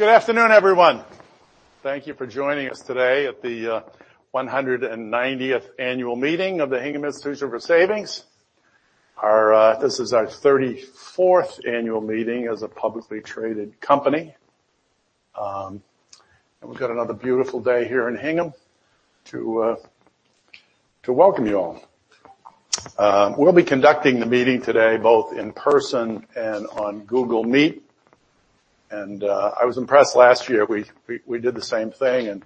Good afternoon, everyone. Thank you for joining us today at the 198th annual meeting of the Hingham Institution for Savings. Our this is our 34th annual meeting as a publicly traded company. And we've got another beautiful day here in Hingham to welcome you all. We'll be conducting the meeting today, both in person and on Google Meet, and I was impressed last year, we did the same thing, and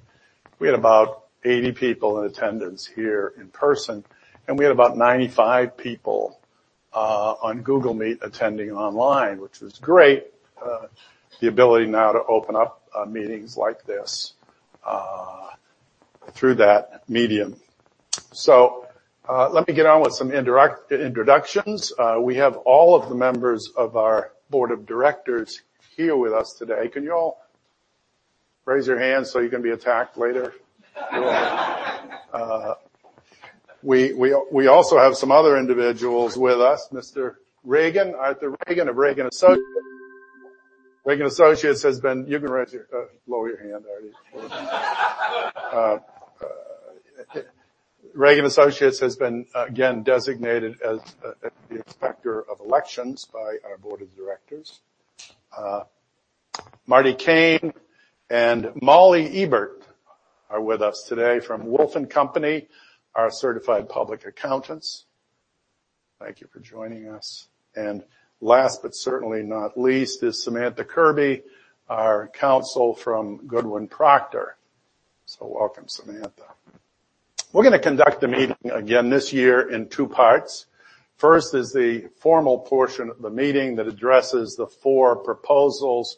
we had about 80 people in attendance here in person, and we had about 95 people on Google Meet attending online, which was great. The ability now to open up meetings like this through that medium. So let me get on with some introductions. We have all of the members of our board of directors here with us today. Can you all raise your hands so you can be attacked later? We also have some other individuals with us, Mr. Regan, Artie Regan of Regan & Associates. Regan & Associates has been. You can raise your, lower your hand already. Regan & Associates has been, again, designated as, the inspector of elections by our board of directors. Marty Caine and Molly Ebert are with us today from Wolf & Company, our certified public accountants. Thank you for joining us. And last but certainly not least, is Samantha Kirby, our counsel from Goodwin Procter. So welcome, Samantha. We're gonna conduct the meeting again this year in two parts. First is the formal portion of the meeting that addresses the four proposals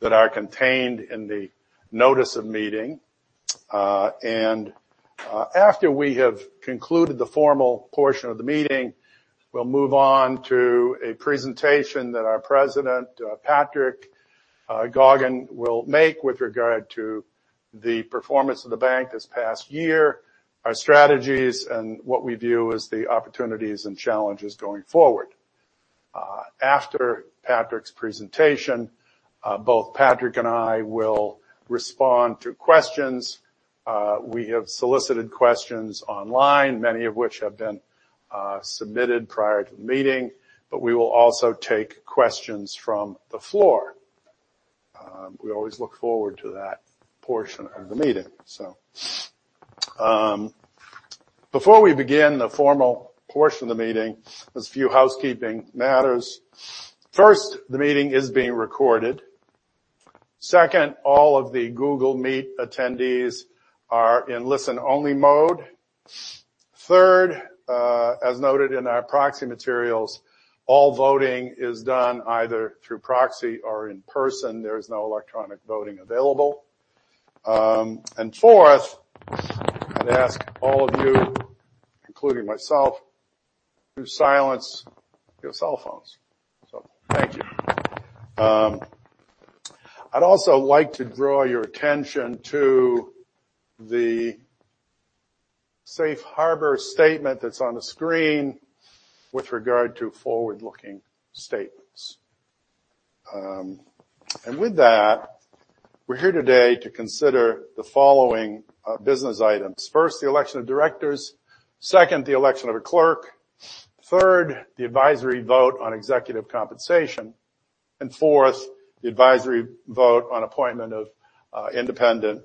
that are contained in the notice of meeting. After we have concluded the formal portion of the meeting, we'll move on to a presentation that our President, Patrick Gaughen, will make with regard to the performance of the bank this past year, our strategies, and what we view as the opportunities and challenges going forward. After Patrick's presentation, both Patrick and I will respond to questions. We have solicited questions online, many of which have been submitted prior to the meeting, but we will also take questions from the floor. We always look forward to that portion of the meeting. Before we begin the formal portion of the meeting, there's a few housekeeping matters. First, the meeting is being recorded. Second, all of the Google Meet attendees are in listen-only mode. Third, as noted in our proxy materials, all voting is done either through proxy or in person. There is no electronic voting available. And fourth, I'd ask all of you, including myself, to silence your cell phones. So thank you. I'd also like to draw your attention to the safe harbor statement that's on the screen with regard to forward-looking statements. And with that, we're here today to consider the following business items. First, the election of directors, second, the election of a clerk, third, the advisory vote on executive compensation, and fourth, the advisory vote on appointment of independent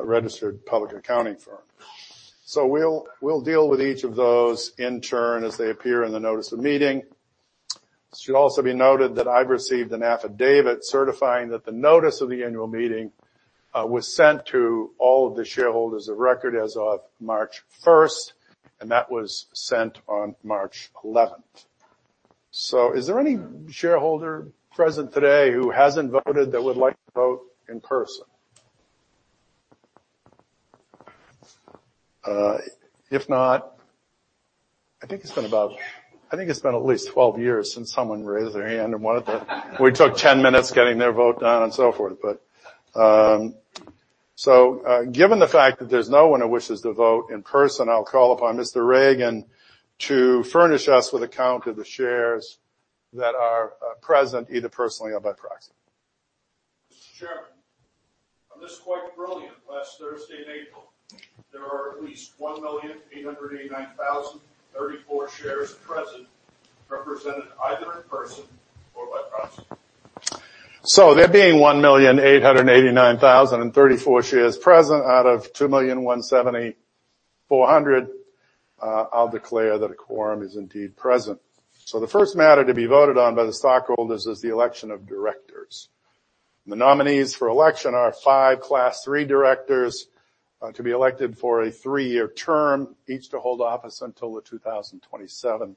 registered public accounting firm. So we'll deal with each of those in turn as they appear in the notice of meeting. It should also be noted that I've received an affidavit certifying that the notice of the annual meeting was sent to all of the shareholders of record as of March first, and that was sent on March eleventh. So is there any shareholder present today who hasn't voted that would like to vote in person? If not, I think it's been at least 12 years since someone raised their hand and wanted to we took 10 minutes getting their vote done and so forth. But given the fact that there's no one who wishes to vote in person, I'll call upon Mr. Regan to furnish us with a count of the shares that are present, either personally or by proxy. Mr. Chairman, on this quite brilliant last Thursday in April, there are at least 1,839,034 shares present, represented either in person or by proxy. There being 1,839,034 shares present out of 2,174,000, I'll declare that a quorum is indeed present. The first matter to be voted on by the stockholders is the election of directors. The nominees for election are five Class III directors to be elected for a three-year term, each to hold office until the 2027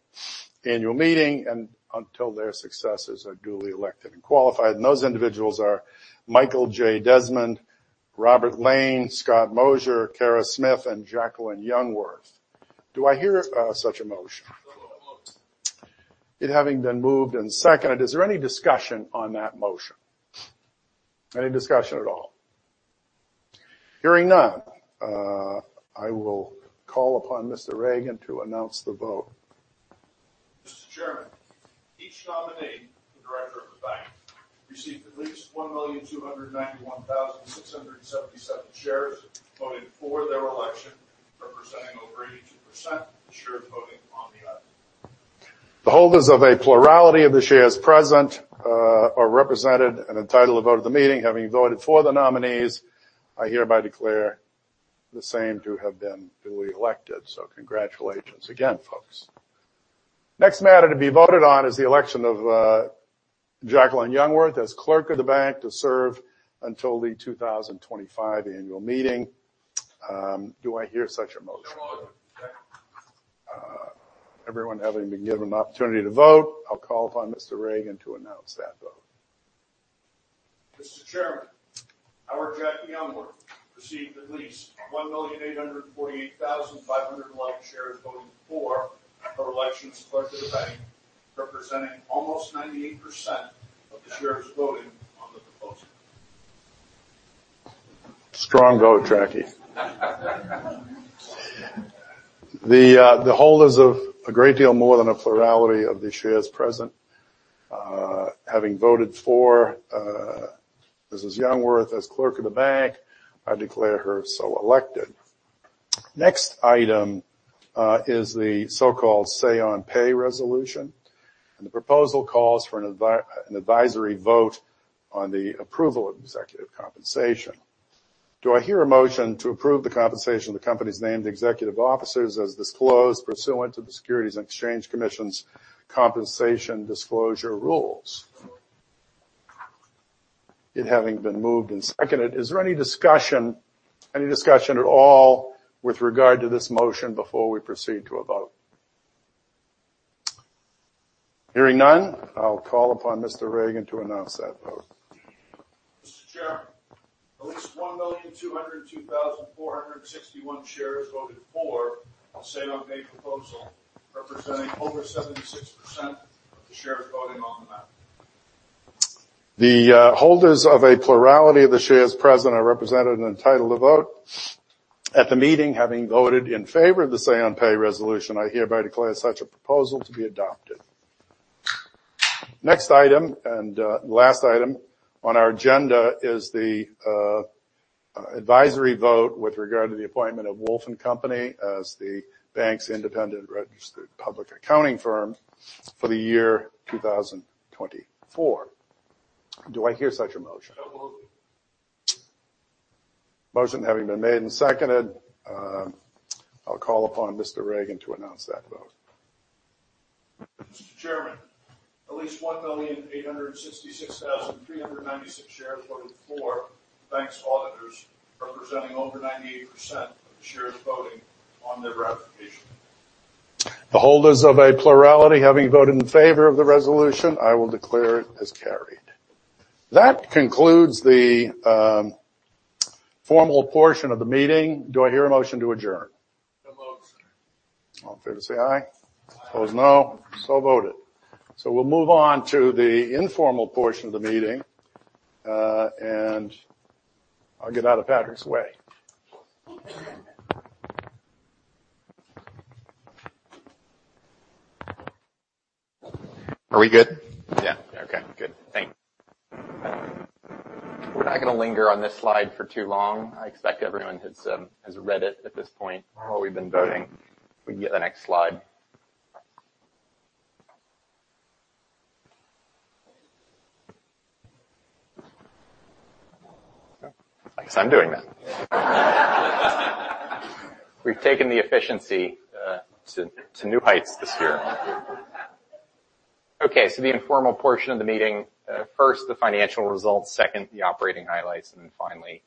annual meeting and until their successors are duly elected and qualified. Those individuals are Michael J. Desmond, Robert Lane, Scott Moser, Kara Smith, and Jacqueline Youngworth. Do I hear such a motion? It having been moved and seconded, is there any discussion on that motion? Any discussion at all? Hearing none, I will call upon Mr. Regan to announce the vote. Mr. Chairman, each nominee for director of the bank received at least 1,291,677 shares voting for their election, representing over 82% of the shares voting on the item. The holders of a plurality of the shares present are represented and entitled to vote at the meeting, having voted for the nominees, I hereby declare the same to have been duly elected. So congratulations again, folks. Next matter to be voted on is the election of Jacqueline Youngworth as Clerk of the Bank, to serve until the 2025 annual meeting. Do I hear such a motion? Everyone having been given the opportunity to vote, I'll call upon Mr. Regan to announce that vote. Mr. Chairman, our Jackie Youngworth received at least 1,848,511 shares voting for her election as Clerk of the Bank, representing almost 98% of the shares voting on the proposal. Strong vote, Jackie. The holders of a great deal more than a plurality of the shares present, having voted for Mrs. Youngworth as Clerk of the Bank, I declare her so elected. Next item is the so-called say-on-pay resolution, and the proposal calls for an advisory vote on the approval of executive compensation. Do I hear a motion to approve the compensation of the company's named executive officers as disclosed pursuant to the Securities and Exchange Commission's compensation disclosure rules? It having been moved and seconded, is there any discussion, any discussion at all with regard to this motion before we proceed to a vote? Hearing none, I'll call upon Mr. Regan to announce that vote. Mr. Chairman, at least 1,202,461 shares voted for the say on pay proposal, representing over 76% of the shares voting on the matter. The holders of a plurality of the shares present are represented and entitled to vote. At the meeting, having voted in favor of the say-on-pay resolution, I hereby declare such a proposal to be adopted. Next item, and last item on our agenda is the advisory vote with regard to the appointment of Wolf & Company as the bank's independent registered public accounting firm for the year 2024. Do I hear such a motion? So moved. Motion having been made and seconded, I'll call upon Mr. Regan to announce that vote. Mr. Chairman, at least 1,866,396 shares voted for the bank's auditors, representing over 98% of the shares voting on their ratification. The holders of a plurality, having voted in favor of the resolution, I will declare it as carried. That concludes the formal portion of the meeting. Do I hear a motion to adjourn? So moved. All in favor say aye. Aye. Opposed, no. So voted. So we'll move on to the informal portion of the meeting, and I'll get out of Patrick's way. Are we good? Yeah. Okay, good. Thanks. We're not going to linger on this slide for too long. I expect everyone has read it at this point while we've been voting. We can get the next slide. I guess I'm doing that. We've taken the efficiency to new heights this year. Okay, so the informal portion of the meeting, first, the financial results, second, the operating highlights, and then finally,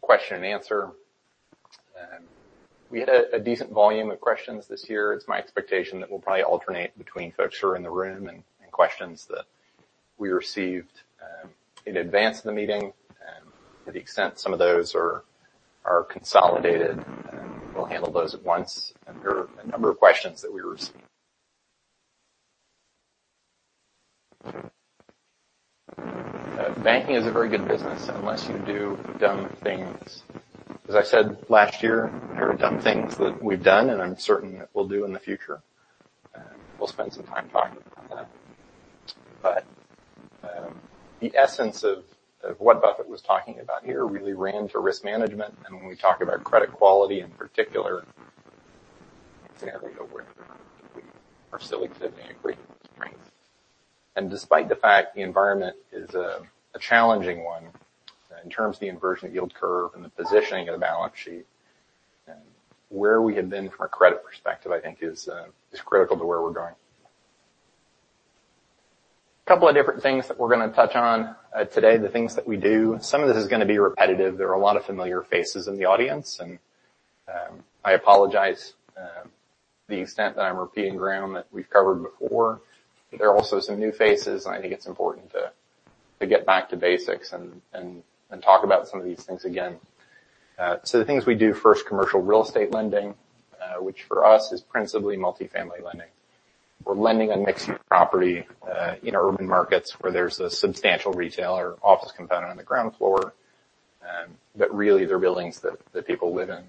question-and-answer. We had a decent volume of questions this year. It's my expectation that we'll probably alternate between folks who are in the room and questions that we received in advance of the meeting. To the extent some of those are consolidated, we'll handle those at once, and there are a number of questions that we received. Banking is a very good business unless you do dumb things. As I said last year, there are dumb things that we've done, and I'm certain that we'll do in the future, and we'll spend some time talking about that. But the essence of what Buffett was talking about here really ran to risk management, and when we talk about credit quality, in particular, exactly where we are still exiting agreement. And despite the fact the environment is a challenging one, in terms of the inversion of yield curve and the positioning of the balance sheet, and where we have been from a credit perspective, I think is critical to where we're going. A couple of different things that we're going to touch on today, the things that we do. Some of this is going to be repetitive. There are a lot of familiar faces in the audience, and I apologize the extent that I'm repeating ground that we've covered before. There are also some new faces, and I think it's important to get back to basics and talk about some of these things again. So the things we do, first, commercial real estate lending, which for us is principally multifamily lending. We're lending on mixed-use property in urban markets where there's a substantial retail or office component on the ground floor, but really they're buildings that people live in.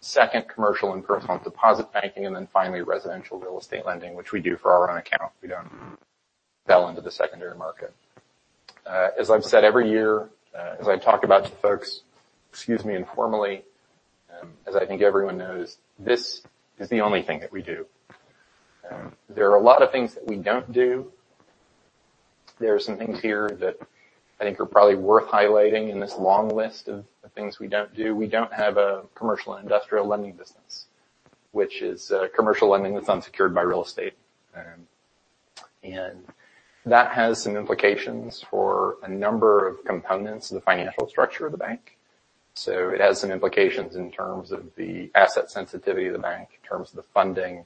Second, commercial and personal deposit banking, and then finally, residential real estate lending, which we do for our own account. We don't sell into the secondary market. As I've said, every year, as I've talked about to folks, excuse me, informally, as I think everyone knows, this is the only thing that we do. There are a lot of things that we don't do. There are some things here that I think are probably worth highlighting in this long list of the things we don't do. We don't have a commercial and industrial lending business, which is commercial lending that's unsecured by real estate, and that has some implications for a number of components of the financial structure of the bank, so it has some implications in terms of the asset sensitivity of the bank, in terms of the funding,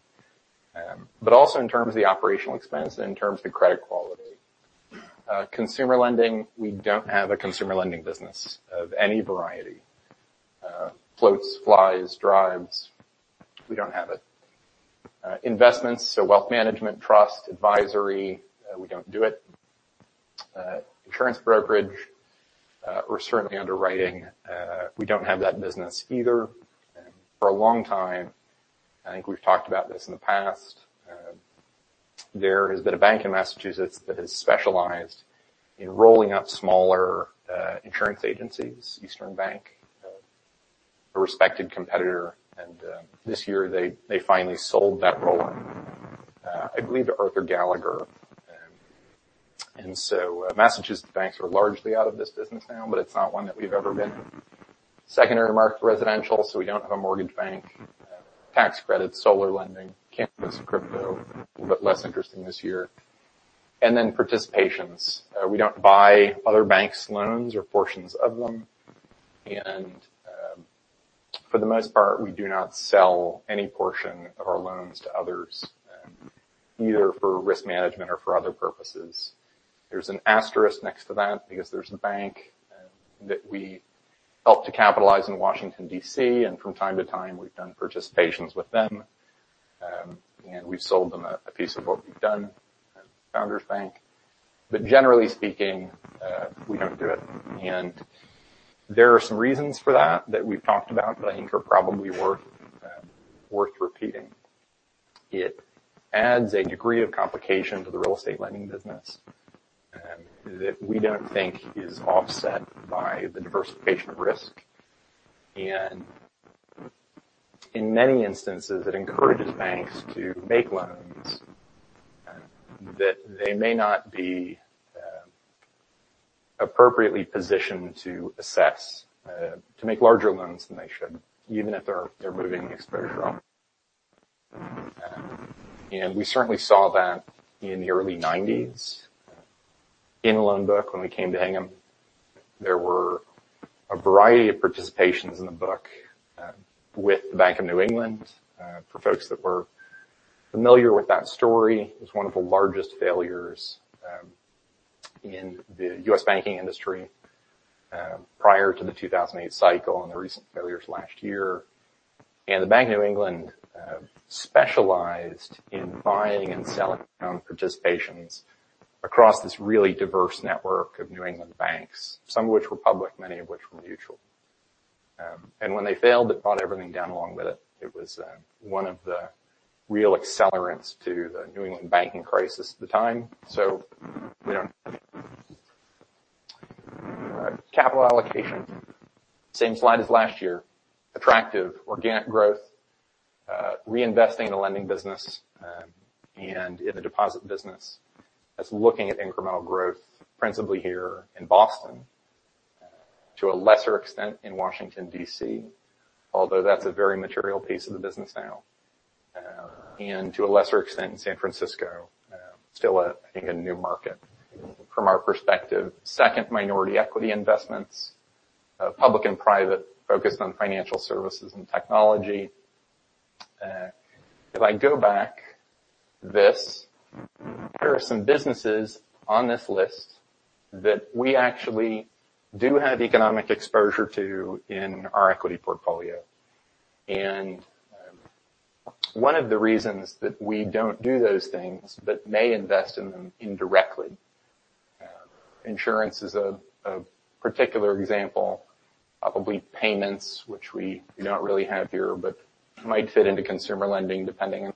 but also in terms of the operational expense and in terms of the credit quality. Consumer lending, we don't have a consumer lending business of any variety. Floats, flies, drives, we don't have it. Investments, so wealth management, trust, advisory, we don't do it. Insurance brokerage, or certainly underwriting, we don't have that business either. For a long time, I think we've talked about this in the past, there has been a bank in Massachusetts that has specialized in rolling up smaller insurance agencies, Eastern Bank, a respected competitor, and this year, they finally sold that roll, I believe, to Arthur Gallagher. And so Massachusetts banks are largely out of this business now, but it's not one that we've ever been in. Secondary market residential, so we don't have a mortgage bank, tax credit, solar lending, cannabis, crypto, but less interesting this year. And then participations. We don't buy other banks' loans or portions of them. And, for the most part, we do not sell any portion of our loans to others, either for risk management or for other purposes. There's an asterisk next to that because there's a bank that we helped to capitalize in Washington, D.C., and from time to time, we've done participations with them, and we've sold them a piece of what we've done, Founders Bank. But generally speaking, we don't do it. And there are some reasons for that that we've talked about that I think are probably worth repeating. It adds a degree of complication to the real estate lending business that we don't think is offset by the diversification of risk. And in many instances, it encourages banks to make loans that they may not be appropriately positioned to assess, to make larger loans than they should, even if they're moving the exposure up. And we certainly saw that in the early 1990s. In loan book, when we came to Hingham, there were a variety of participations in the book with the Bank of New England. For folks that were familiar with that story, it's one of the largest failures in the U.S. banking industry prior to the 2008 cycle and the recent failures last year. And the Bank of New England specialized in buying and selling participations across this really diverse network of New England banks, some of which were public, many of which were mutual. And when they failed, it brought everything down along with it. It was one of the real accelerants to the New England banking crisis at the time. So we don't. Capital allocation, same slide as last year. Attractive, organic growth, reinvesting in the lending business, and in the deposit business. That's looking at incremental growth, principally here in Boston, to a lesser extent in Washington, D.C., although that's a very material piece of the business now, and to a lesser extent in San Francisco, still, I think, a new market from our perspective. Second, minority equity investments, public and private, focused on financial services and technology. If I go back, this, there are some businesses on this list that we actually do have economic exposure to in our equity portfolio. One of the reasons that we don't do those things, but may invest in them indirectly. Insurance is a particular example, probably payments, which we do not really have here, but might fit into consumer lending, depending on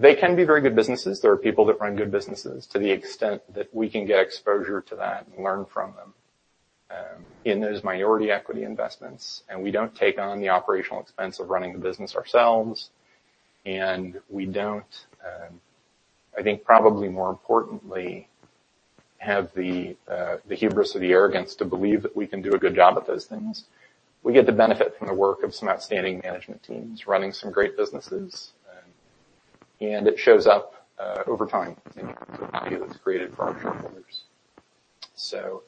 product. They can be very good businesses. There are people that run good businesses to the extent that we can get exposure to that and learn from them, in those minority equity investments. We don't take on the operational expense of running the business ourselves, and we don't, I think probably more importantly, have the hubris or the arrogance to believe that we can do a good job at those things. We get to benefit from the work of some outstanding management teams running some great businesses, and it shows up, over time, in value that's created for our shareholders. So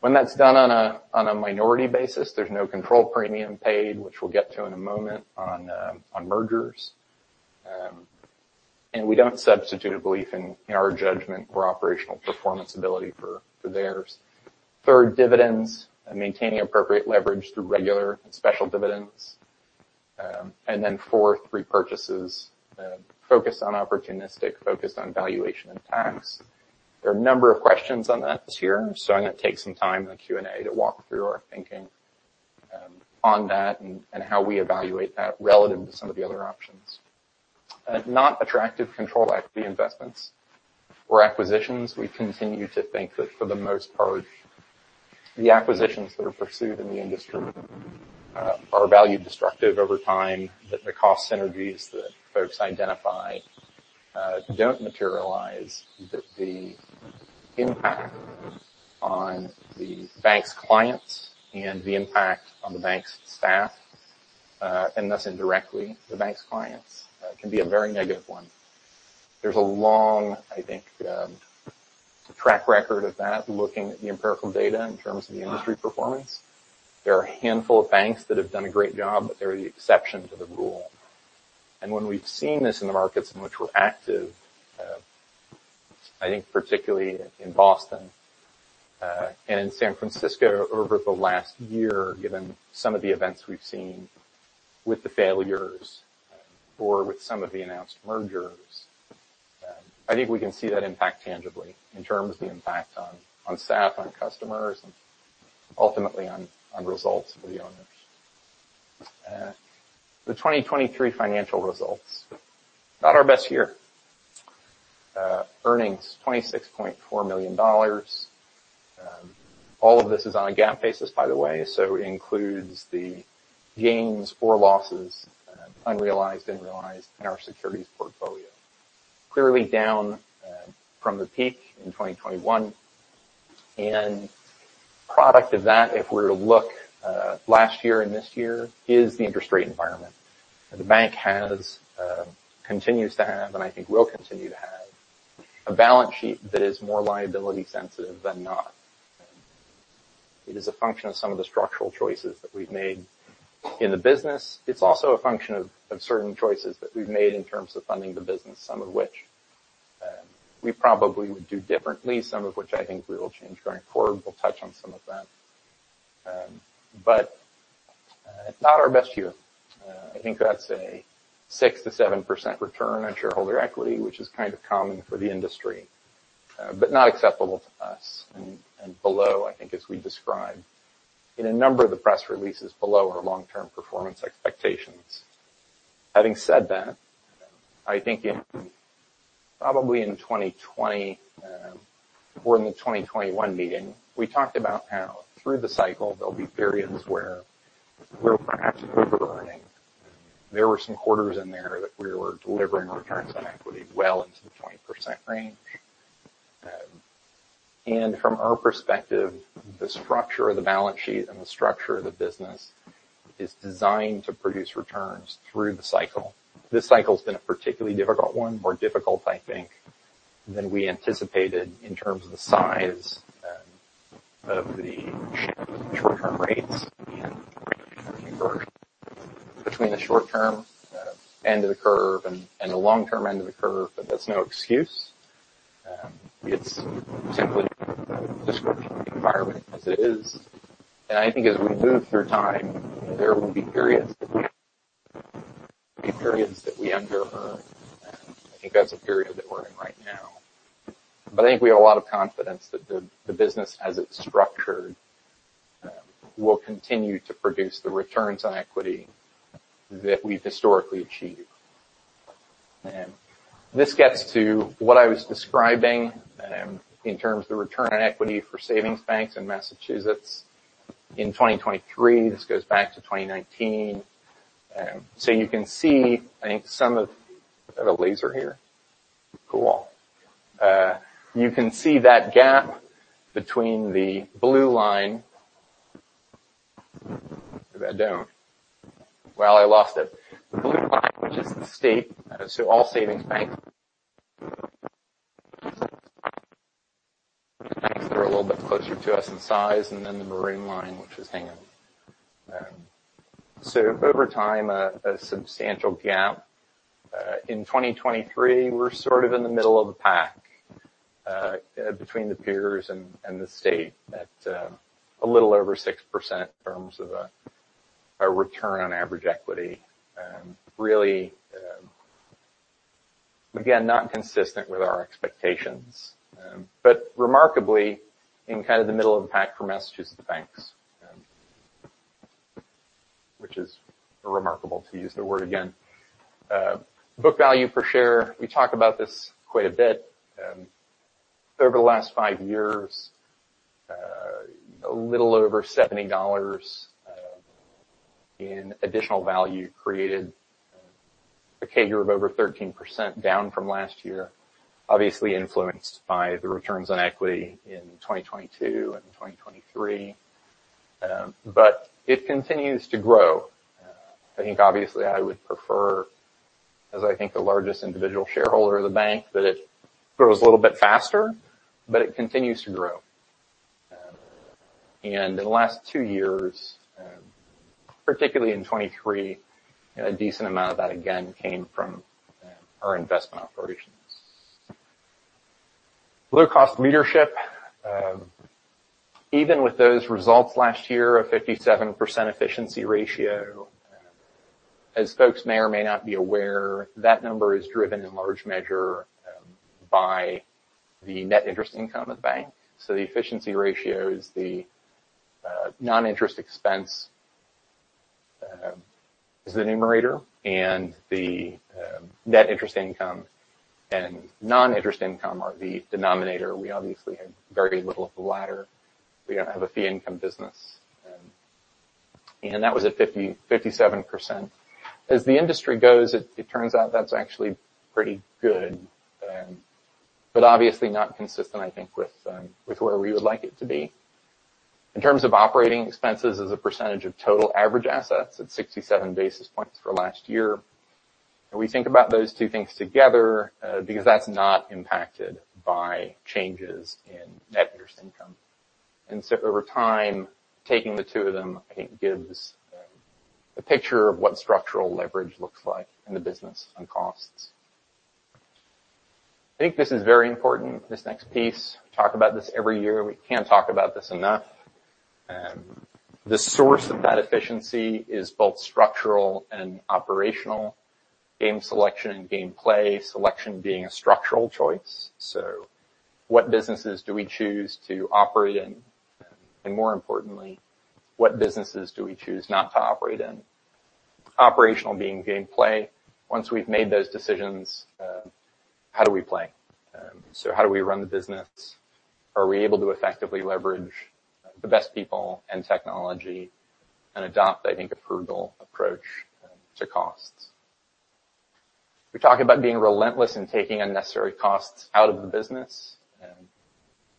when that's done on a minority basis, there's no control premium paid, which we'll get to in a moment on mergers. And we don't substitute a belief in our judgment or operational performance ability for theirs. Third, dividends, and maintaining appropriate leverage through regular and special dividends. And then four, repurchases focused on opportunistic, focused on valuation and tax. There are a number of questions on that this year, so I'm going to take some time in the Q&A to walk through our thinking on that and how we evaluate that relative to some of the other options. Not attractive control equity investments or acquisitions. We continue to think that for the most part, the acquisitions that are pursued in the industry are value destructive over time, that the cost synergies that folks identify don't materialize, that the impact on the bank's clients and the impact on the bank's staff, and thus indirectly, the bank's clients, can be a very negative one. There's a long, I think, track record of that, looking at the empirical data in terms of the industry performance. There are a handful of banks that have done a great job, but they're the exception to the rule. And when we've seen this in the markets in which we're active, I think particularly in Boston, and in San Francisco over the last year, given some of the events we've seen with the failures or with some of the announced mergers, I think we can see that impact tangibly in terms of the impact on staff, on customers, and ultimately on results for the owners. The 2023 financial results, not our best year. Earnings, $26.4 million. All of this is on a GAAP basis, by the way, so it includes the gains or losses, unrealized and realized in our securities portfolio. Clearly down, from the peak in 2021. And product of that, if we were to look, last year and this year, is the interest rate environment. The bank continues to have, and I think will continue to have, a balance sheet that is more liability sensitive than not. It is a function of some of the structural choices that we've made in the business. It's also a function of certain choices that we've made in terms of funding the business, some of which we probably would do differently, some of which I think we will change going forward. We'll touch on some of that. But not our best year. I think that's a 6%-7% return on shareholder equity, which is kind of common for the industry, but not acceptable to us, and below, I think, as we described in a number of the press releases, below our long-term performance expectations. Having said that, I think in probably in 2020 or in the 2021 meeting, we talked about how through the cycle, there'll be periods where we're perhaps overearning. There were some quarters in there that we were delivering returns on equity well into the 20% range. And from our perspective, the structure of the balance sheet and the structure of the business is designed to produce returns through the cycle. This cycle has been a particularly difficult one, more difficult, I think, than we anticipated in terms of the size of the short-term rates and between the short term end of the curve and the long-term end of the curve. But that's no excuse. It's simply describing the environment as it is. And I think as we move through time, there will be periods that we underearn. I think that's a period that we're in right now. But I think we have a lot of confidence that the business, as it's structured, will continue to produce the returns on equity that we've historically achieved. And this gets to what I was describing in terms of the return on equity for savings banks in Massachusetts in 2023. This goes back to 2019. So you can see that gap between the blue line. The blue line, which is the state, so all savings banks. They're a little bit closer to us in size, and then the green line, which is Hingham. So over time, a substantial gap. In 2023, we're sort of in the middle of the pack, between the peers and the state at a little over 6% in terms of our return on average equity. Really, again, not consistent with our expectations, but remarkably in kind of the middle of the pack for Massachusetts banks, which is remarkable to use the word again. Book value per share. We talk about this quite a bit. Over the last five years, a little over $70 in additional value created a CAGR of over 13%, down from last year. Obviously, influenced by the returns on equity in 2022 and 2023. But it continues to grow. I think obviously I would prefer, as I think the largest individual shareholder of the bank, that it grows a little bit faster, but it continues to grow. In the last two years, particularly in 2023, a decent amount of that, again, came from our investment operations. Low-cost leadership, even with those results last year, a 57% efficiency ratio. As folks may or may not be aware, that number is driven in large measure by the net interest income of the bank. So the efficiency ratio is the non-interest expense is the numerator, and the net interest income and non-interest income are the denominator. We obviously have very little of the latter. We don't have a fee income business, and that was at 57%. As the industry goes, it turns out that's actually pretty good, but obviously not consistent, I think with where we would like it to be. In terms of operating expenses as a percentage of total average assets, it's 67 basis points for last year. And we think about those two things together, because that's not impacted by changes in net interest income. And so over time, taking the two of them, I think, gives a picture of what structural leverage looks like in the business and costs. I think this is very important, this next piece. Talk about this every year. We can't talk about this enough. The source of that efficiency is both structural and operational. Game selection and game play, selection being a structural choice. So what businesses do we choose to operate in? And more importantly, what businesses do we choose not to operate in? Operational being game play. Once we've made those decisions, how do we play? So how do we run the business? Are we able to effectively leverage the best people and technology and adopt, I think, a frugal approach to costs? We talk about being relentless in taking unnecessary costs out of the business,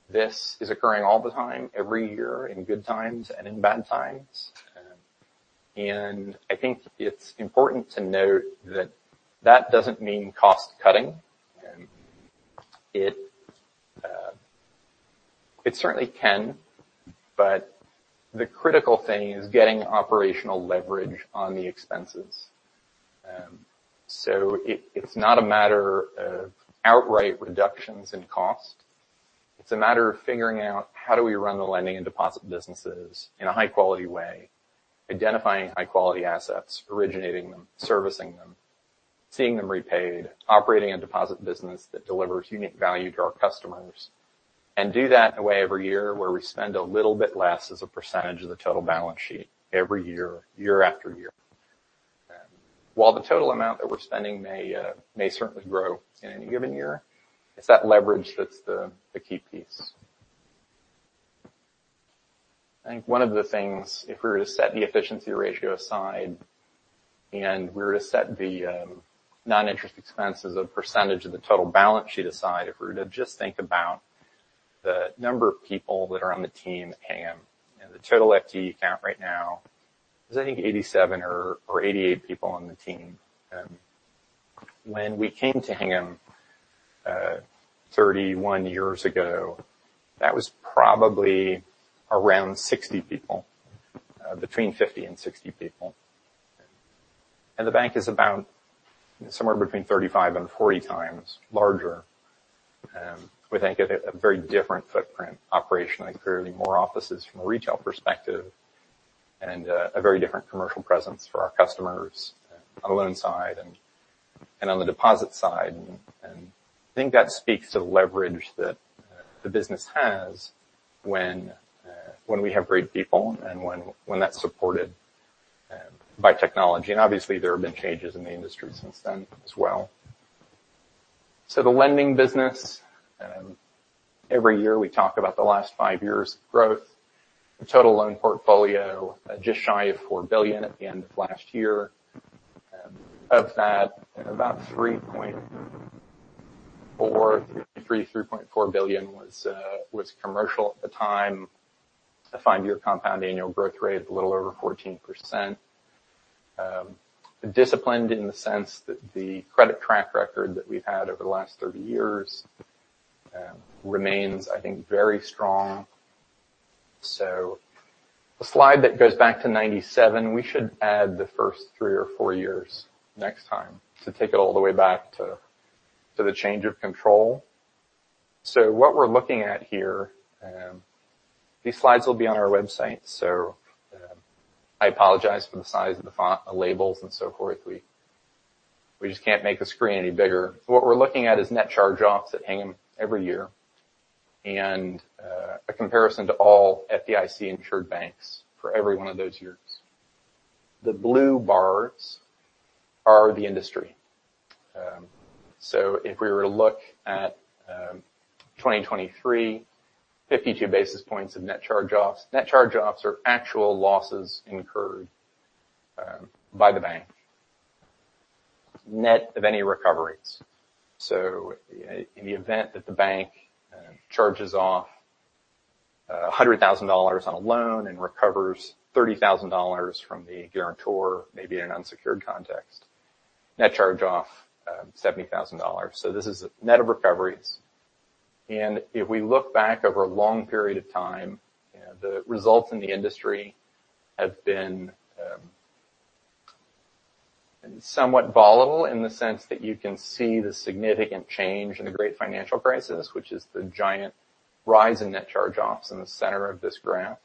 and this is occurring all the time, every year, in good times and in bad times. And I think it's important to note that that doesn't mean cost cutting, it certainly can, but the critical thing is getting operational leverage on the expenses. So it's not a matter of outright reductions in cost. It's a matter of figuring out how do we run the lending and deposit businesses in a high-quality way, identifying high-quality assets, originating them, servicing them, seeing them repaid, operating a deposit business that delivers unique value to our customers, and do that in a way every year, where we spend a little bit less as a percentage of the total balance sheet every year, year after year. While the total amount that we're spending may certainly grow in any given year, it's that leverage that's the key piece. I think one of the things, if we were to set the efficiency ratio aside, and we were to set the noninterest expenses as a percentage of the total balance sheet aside, if we were to just think about the number of people that are on the team at Hingham, and the total FTE count right now is, I think 87 or 88 people on the team. When we came to Hingham thirty-one years ago, that was probably around 60 people, between 50 and 60 people. The bank is about somewhere between 35x and 40x larger, with, I think, a very different footprint, operationally. Clearly, more offices from a retail perspective and a very different commercial presence for our customers, on the loan side and on the deposit side. And I think that speaks to the leverage that the business has when we have great people and when that's supported by technology. And obviously, there have been changes in the industry since then as well. So the lending business, every year, we talk about the last five years' growth. The total loan portfolio, just shy of $4 billion at the end of last year. Of that, about $3.4 billion was commercial at the time. A five-year compound annual growth rate, a little over 14%. Disciplined in the sense that the credit track record that we've had over the last 30 years remains, I think, very strong. So the slide that goes back to 97, we should add the first 3-4 years next time to take it all the way back to the change of control. So what we're looking at here, these slides will be on our website, so I apologize for the size of the font, the labels, and so forth. We just can't make the screen any bigger. So what we're looking at is net charge offs at Hingham every year, and a comparison to all FDIC-insured banks for every one of those years. The blue bars are the industry. So if we were to look at 2023, 52 basis points of net charge offs. Net charge offs are actual losses incurred by the bank, net of any recoveries. In the event that the bank charges off $100,000 on a loan and recovers $30,000 from the guarantor, maybe in an unsecured context, net charge off $70,000, so this is a net of recoveries. And if we look back over a long period of time, the results in the industry have been somewhat volatile in the sense that you can see the significant change in the great financial crisis, which is the giant rise in net charge-offs in the center of this graph.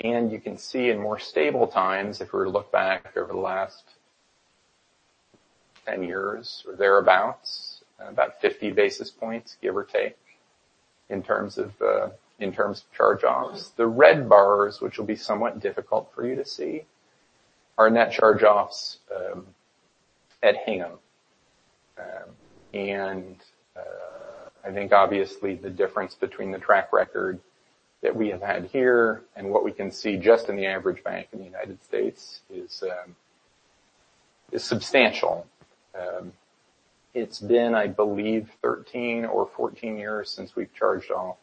And you can see in more stable times, if we were to look back over the last 10 years or thereabouts, about 50 basis points, give or take, in terms of charge-offs. The red bars, which will be somewhat difficult for you to see, are net charge-offs at Hingham. And, I think obviously the difference between the track record that we have had here and what we can see just in the average bank in the United States is substantial. It's been, I believe, 13 or 14 years since we've charged off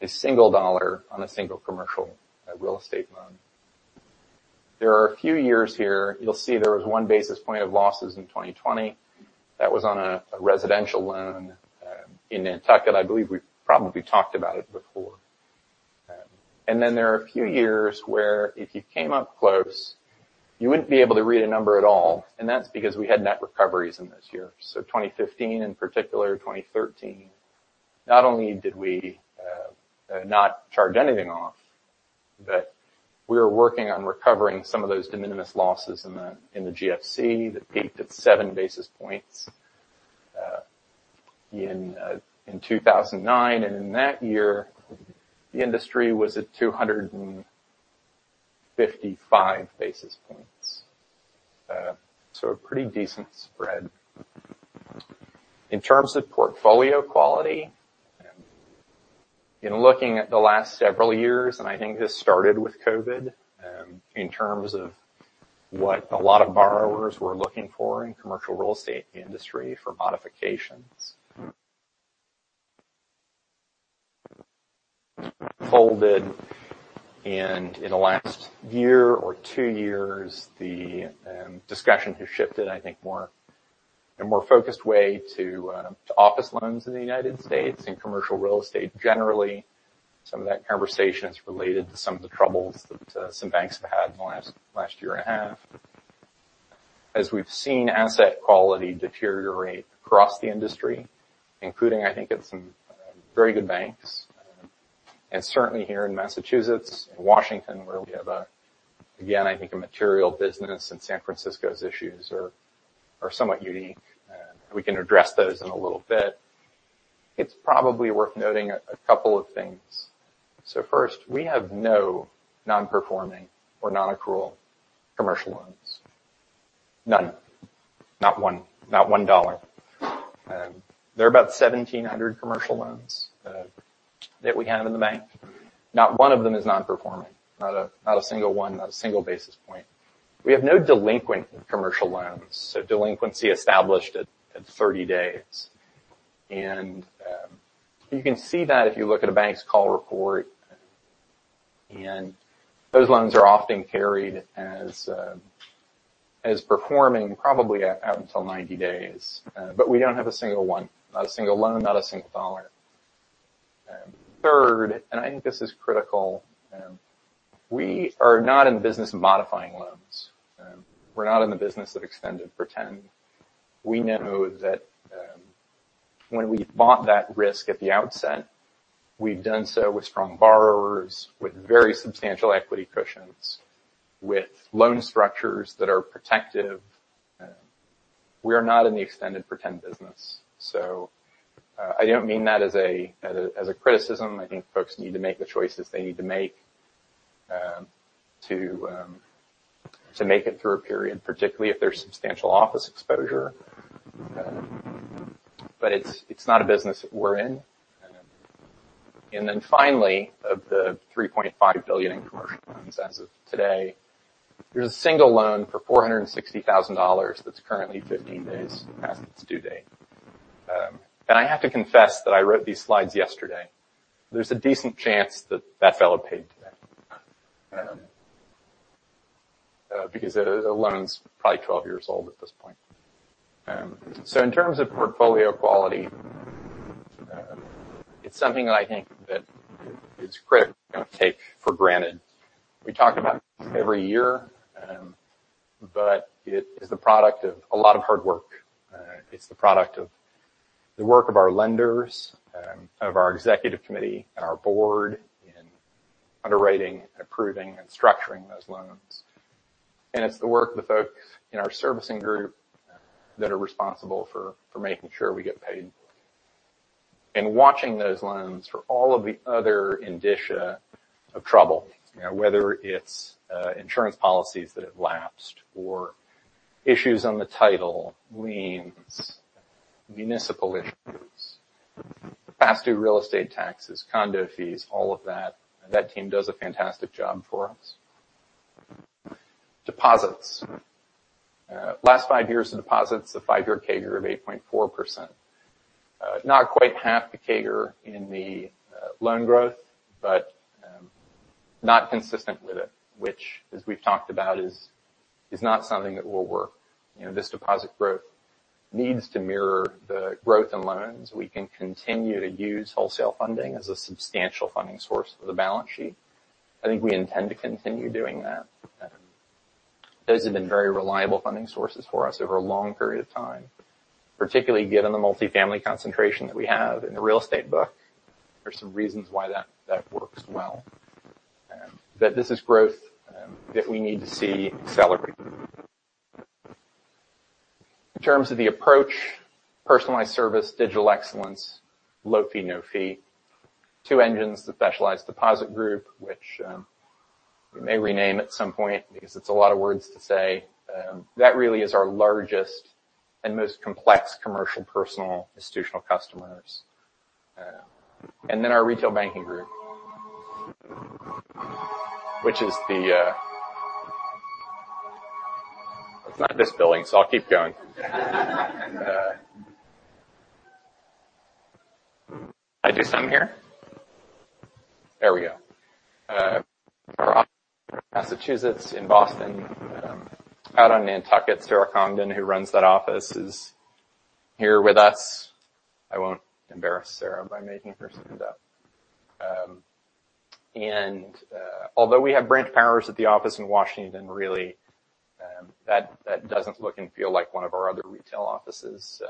a single dollar on a single commercial real estate loan. There are a few years here. You'll see there was one basis point of losses in 2020. That was on a residential loan in Nantucket. I believe we probably talked about it before. And then there are a few years where if you came up close, you wouldn't be able to read a number at all, and that's because we had net recoveries in this year. 2015, in particular, 2013, not only did we not charge anything off, but we were working on recovering some of those de minimis losses in the GFC that peaked at seven basis points in 2009. And in that year, the industry was at 255 basis points. So a pretty decent spread. In terms of portfolio quality, in looking at the last several years, and I think this started with COVID, in terms of what a lot of borrowers were looking for in commercial real estate industry for modifications, followed, and in the last year or two years, the discussion has shifted, I think, in a more focused way to office loans in the United States and commercial real estate, generally. Some of that conversation is related to some of the troubles that some banks have had in the last 1.5 year. As we've seen asset quality deteriorate across the industry, including, I think, at some very good banks, and certainly here in Massachusetts, in Washington, D.C., where we have a, again, I think, a material business, and San Francisco's issues are somewhat unique, and we can address those in a little bit. It's probably worth noting a couple of things. So first, we have no non-performing or non-accrual commercial loans. None. Not one, not one dollar. There are about 1,700 commercial loans that we have in the bank. Not one of them is non-performing, not a single one, not a single basis point. We have no delinquent commercial loans, so delinquency established at 30 days. You can see that if you look at a bank's call report, and those loans are often carried as performing, probably up until 90 days. But we don't have a single one, not a single loan, not a single dollar. Third, and I think this is critical, we are not in the business of modifying loans. We're not in the business of extend and pretend. We know that, when we bought that risk at the outset, we've done so with strong borrowers, with very substantial equity cushions, with loan structures that are protective. We are not in the extend and pretend business. So, I don't mean that as a criticism. I think folks need to make the choices they need to make, to make it through a period, particularly if there's substantial office exposure. But it's not a business we're in. And then finally, of the $3.5 billion in commercial loans as of today, there's a single loan for $460,000 that's currently 15 days past its due date. And I have to confess that I wrote these slides yesterday. There's a decent chance that fellow paid today. Because the loan's probably 12 years old at this point. So in terms of portfolio quality, it's something that I think that is critical, you know, take for granted. We talk about it every year, but it is the product of a lot of hard work. It's the product of the work of our lenders, of our executive committee and our board in underwriting and approving and structuring those loans. It's the work of the folks in our servicing group that are responsible for making sure we get paid. Watching those loans for all of the other indicia of trouble, you know, whether it's insurance policies that have lapsed or issues on the title, liens, municipal issues, past due real estate taxes, condo fees, all of that. That team does a fantastic job for us. Deposits. Last five years of deposits, a five-year CAGR of 8.4%. Not quite half the CAGR in the loan growth, but not consistent with it, which as we've talked about, is not something that will work. You know, this deposit growth needs to mirror the growth in loans. We can continue to use wholesale funding as a substantial funding source for the balance sheet. I think we intend to continue doing that. Those have been very reliable funding sources for us over a long period of time, particularly given the multifamily concentration that we have in the real estate book. There are some reasons why that works well, but this is growth that we need to see accelerate. In terms of the approach, personalized service, digital excellence, low fee, no fee, two engines, the specialized deposit group, which we may rename at some point because it's a lot of words to say. That really is our largest and most complex commercial, personal, institutional customers. And then our retail banking group, which is the. It's not this building, so I'll keep going. I do some here? There we go. Massachusetts, in Boston, out on Nantucket, Sarah Congdon, who runs that office, is here with us. I won't embarrass Sarah by making her stand up. Although we have branch powers at the office in Washington, really, that doesn't look and feel like one of our other retail offices.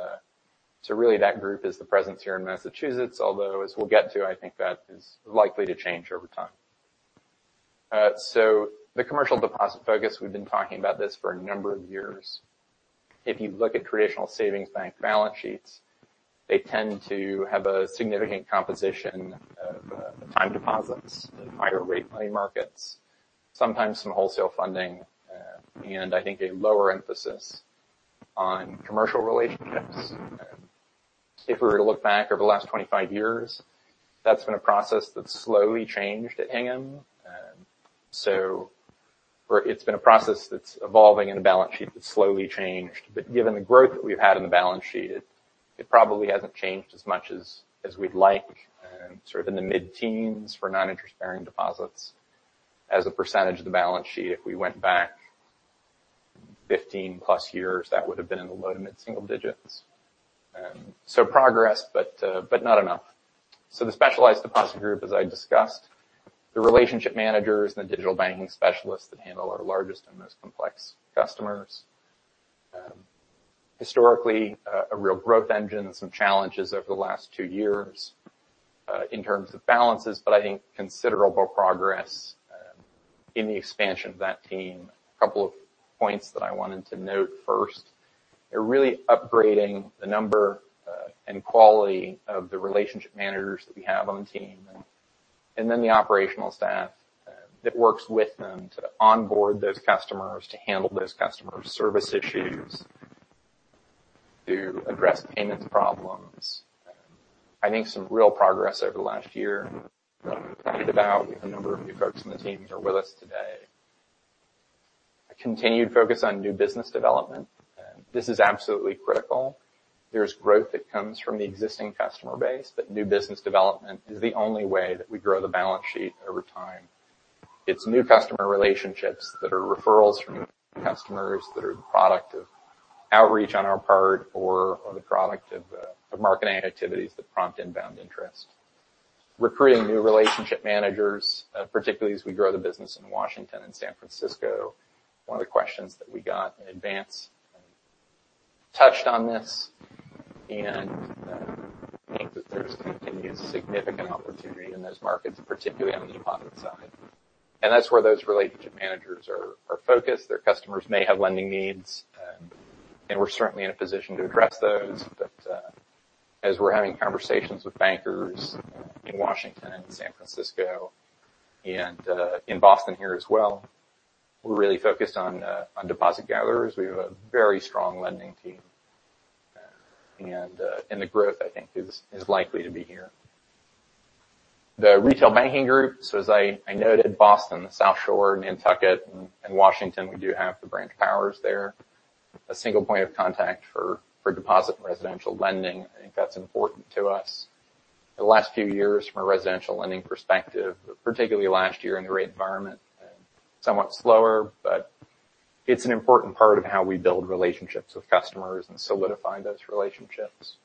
So really, that group is the presence here in Massachusetts, although, as we'll get to, I think that is likely to change over time. So the commercial deposit focus, we've been talking about this for a number of years. If you look at traditional savings bank balance sheets, they tend to have a significant composition of time deposits and higher rate money markets, sometimes some wholesale funding, and I think a lower emphasis on commercial relationships. If we were to look back over the last 25 years, that's been a process that's slowly changed at Hingham. So it's been a process that's evolving in a balance sheet that's slowly changed. But given the growth that we've had in the balance sheet, it probably hasn't changed as much as we'd like, sort of in the mid-teens for non-interest-bearing deposits as a percentage of the balance sheet. If we went back 15+ years, that would have been in the low-to-mid single digits. So progress, but not enough. So the Specialized Deposit Group, as I discussed, the relationship managers and the digital banking specialists that handle our largest and most complex customers. Historically, a real growth engine and some challenges over the last two years, in terms of balances, but I think considerable progress, in the expansion of that team. A couple of points that I wanted to note. First, they're really upgrading the number, and quality of the relationship managers that we have on the team, and then the operational staff, that works with them to onboard those customers, to handle those customer service issues, to address payments problems. I think some real progress over the last year, about a number of new folks on the team here with us today. A continued focus on new business development. This is absolutely critical. There's growth that comes from the existing customer base, but new business development is the only way that we grow the balance sheet over time. It's new customer relationships that are referrals from customers, that are the product of outreach on our part, or the product of marketing activities that prompt inbound interest. Recruiting new relationship managers, particularly as we grow the business in Washington and San Francisco. One of the questions that we got in advance touched on this, and, I think that there's continued significant opportunity in those markets, particularly on the deposit side. And that's where those relationship managers are focused. Their customers may have lending needs, and we're certainly in a position to address those. But, as we're having conversations with bankers in Washington and San Francisco and, in Boston here as well, we're really focused on deposit gatherers. We have a very strong lending team, and the growth, I think, is likely to be here. The Retail Banking Group, so as I noted, Boston, the South Shore, Nantucket, and Washington, we do have the branch presence there. A single point of contact for deposit and residential lending. I think that's important to us. The last few years, from a residential lending perspective, particularly last year in the rate environment, somewhat slower, but it's an important part of how we build relationships with customers and solidifying those relationships.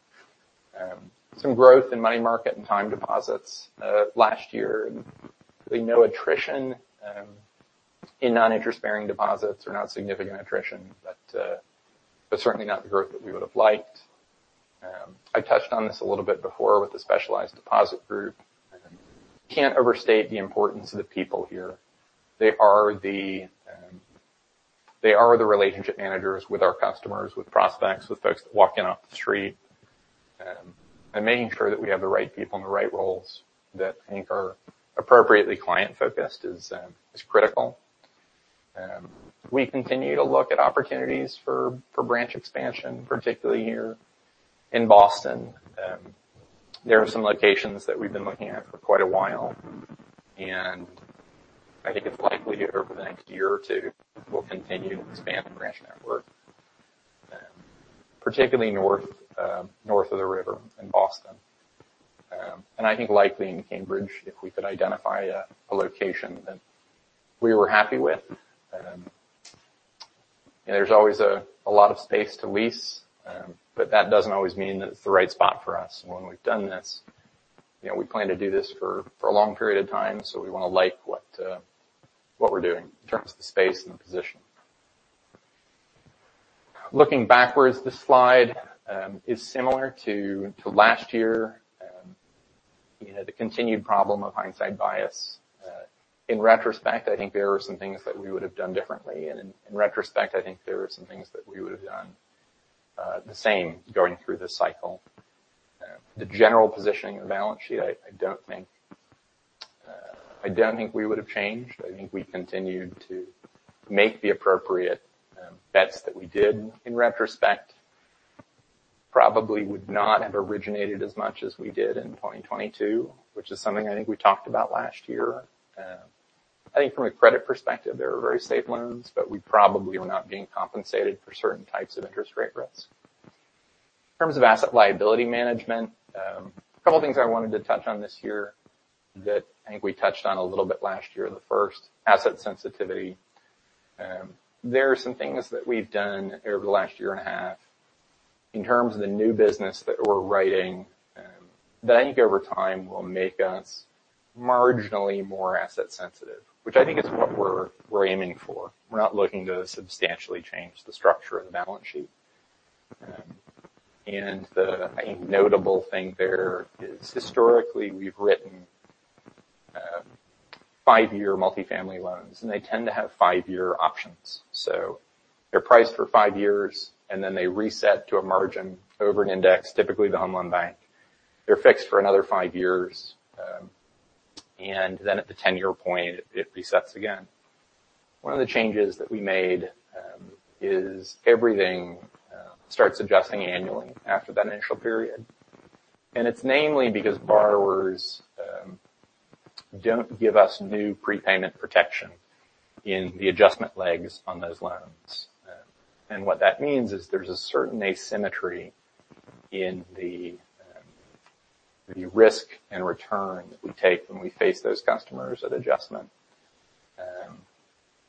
Some growth in money market and time deposits last year. Really no attrition in non-interest bearing deposits or not significant attrition, but certainly not the growth that we would have liked. I touched on this a little bit before with the specialized deposit group, and can't overstate the importance of the people here. They are the relationship managers with our customers, with prospects, with folks walking up the street. And making sure that we have the right people in the right roles that I think are appropriately client-focused is critical. We continue to look at opportunities for branch expansion, particularly here in Boston. There are some locations that we've been looking at for quite a while, and I think it's likely over the next year or two, we'll continue to expand the branch network, particularly north of the river in Boston. And I think likely in Cambridge, if we could identify a location that we were happy with. There's always a lot of space to lease, but that doesn't always mean that it's the right spot for us. When we've done this, you know, we plan to do this for a long period of time, so we wanna like what we're doing in terms of the space and the position. Looking backwards, this slide is similar to last year. We had the continued problem of hindsight bias. In retrospect, I think there are some things that we would have done differently, and in retrospect, I think there are some things that we would have done the same going through this cycle. The general positioning of the balance sheet, I don't think we would have changed. I think we continued to make the appropriate bets that we did. In retrospect, probably would not have originated as much as we did in 2022, which is something I think we talked about last year. I think from a credit perspective, there are very safe loans, but we probably were not being compensated for certain types of interest rate risks. In terms of asset liability management, a couple of things I wanted to touch on this year that I think we touched on a little bit last year, the first, asset sensitivity. There are some things that we've done over the last year and a half in terms of the new business that we're writing, that I think over time will make us marginally more asset sensitive, which I think is what we're aiming for. We're not looking to substantially change the structure of the balance sheet, and the, I think, notable thing there is, historically, we've written five-year multifamily loans, and they tend to have five-year options. So they're priced for five years, and then they reset to a margin over an index, typically the Home Loan Bank. They're fixed for another five years, and then at the 10-year point, it resets again. One of the changes that we made is everything starts adjusting annually after that initial period. And it's namely because borrowers don't give us new prepayment protection in the adjustment legs on those loans. And what that means is there's a certain asymmetry in the risk and return that we take when we face those customers at adjustment.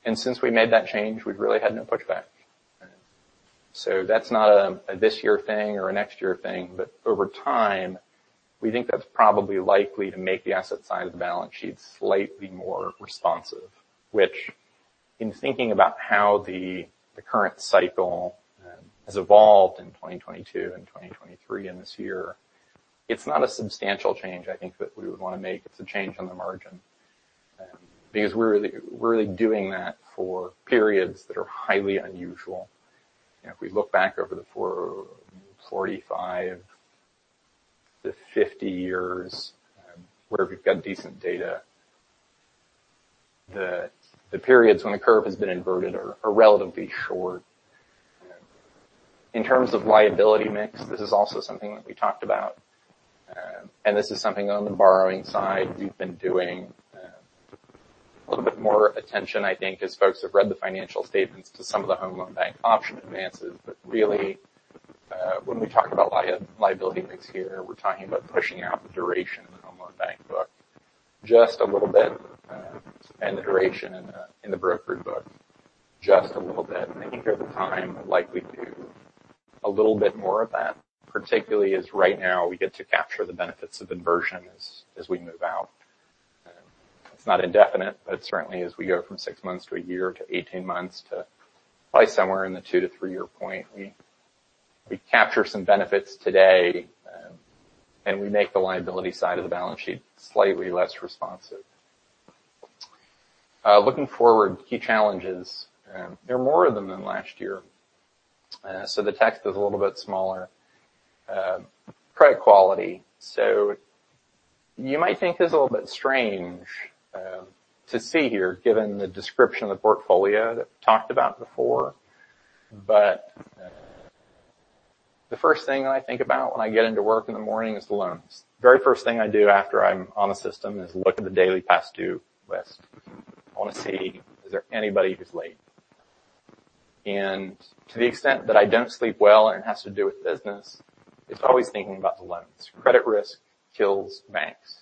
And since we made that change, we've really had no pushback. So that's not a this year thing or a next year thing, but over time, we think that's probably likely to make the asset side of the balance sheet slightly more responsive, which in thinking about how the current cycle has evolved in 2022 and 2023 and this year, it's not a substantial change I think that we would want to make. It's a change on the margin. Because we're really doing that for periods that are highly unusual. If we look back over the 45-50 years where we've got decent data, the periods when the curve has been inverted are relatively short. In terms of liability mix, this is also something that we talked about, and this is something on the borrowing side we've been doing a little bit more attention, I think, as folks have read the financial statements to some of the Home Loan Bank option advances. But really, when we talk about liability mix here, we're talking about pushing out the duration of the Home Loan Bank book just a little bit, and the duration in the brokerage book, just a little bit. I think over time, we're likely to do a little bit more of that, particularly as right now, we get to capture the benefits of inversion as we move out. It's not indefinite, but certainly as we go from six months to a year to 18 months to probably somewhere in the two to three-year point, we capture some benefits today, and we make the liability side of the balance sheet slightly less responsive. Looking forward, key challenges. There are more of them than last year, so the text is a little bit smaller. Credit quality, so you might think this is a little bit strange to see here, given the description of the portfolio that we talked about before, but the first thing I think about when I get into work in the morning is the loans. Very first thing I do after I'm on the system is look at the daily past due list. I want to see, is there anybody who's late? To the extent that I don't sleep well and it has to do with business, it's always thinking about the loans. Credit risk kills banks.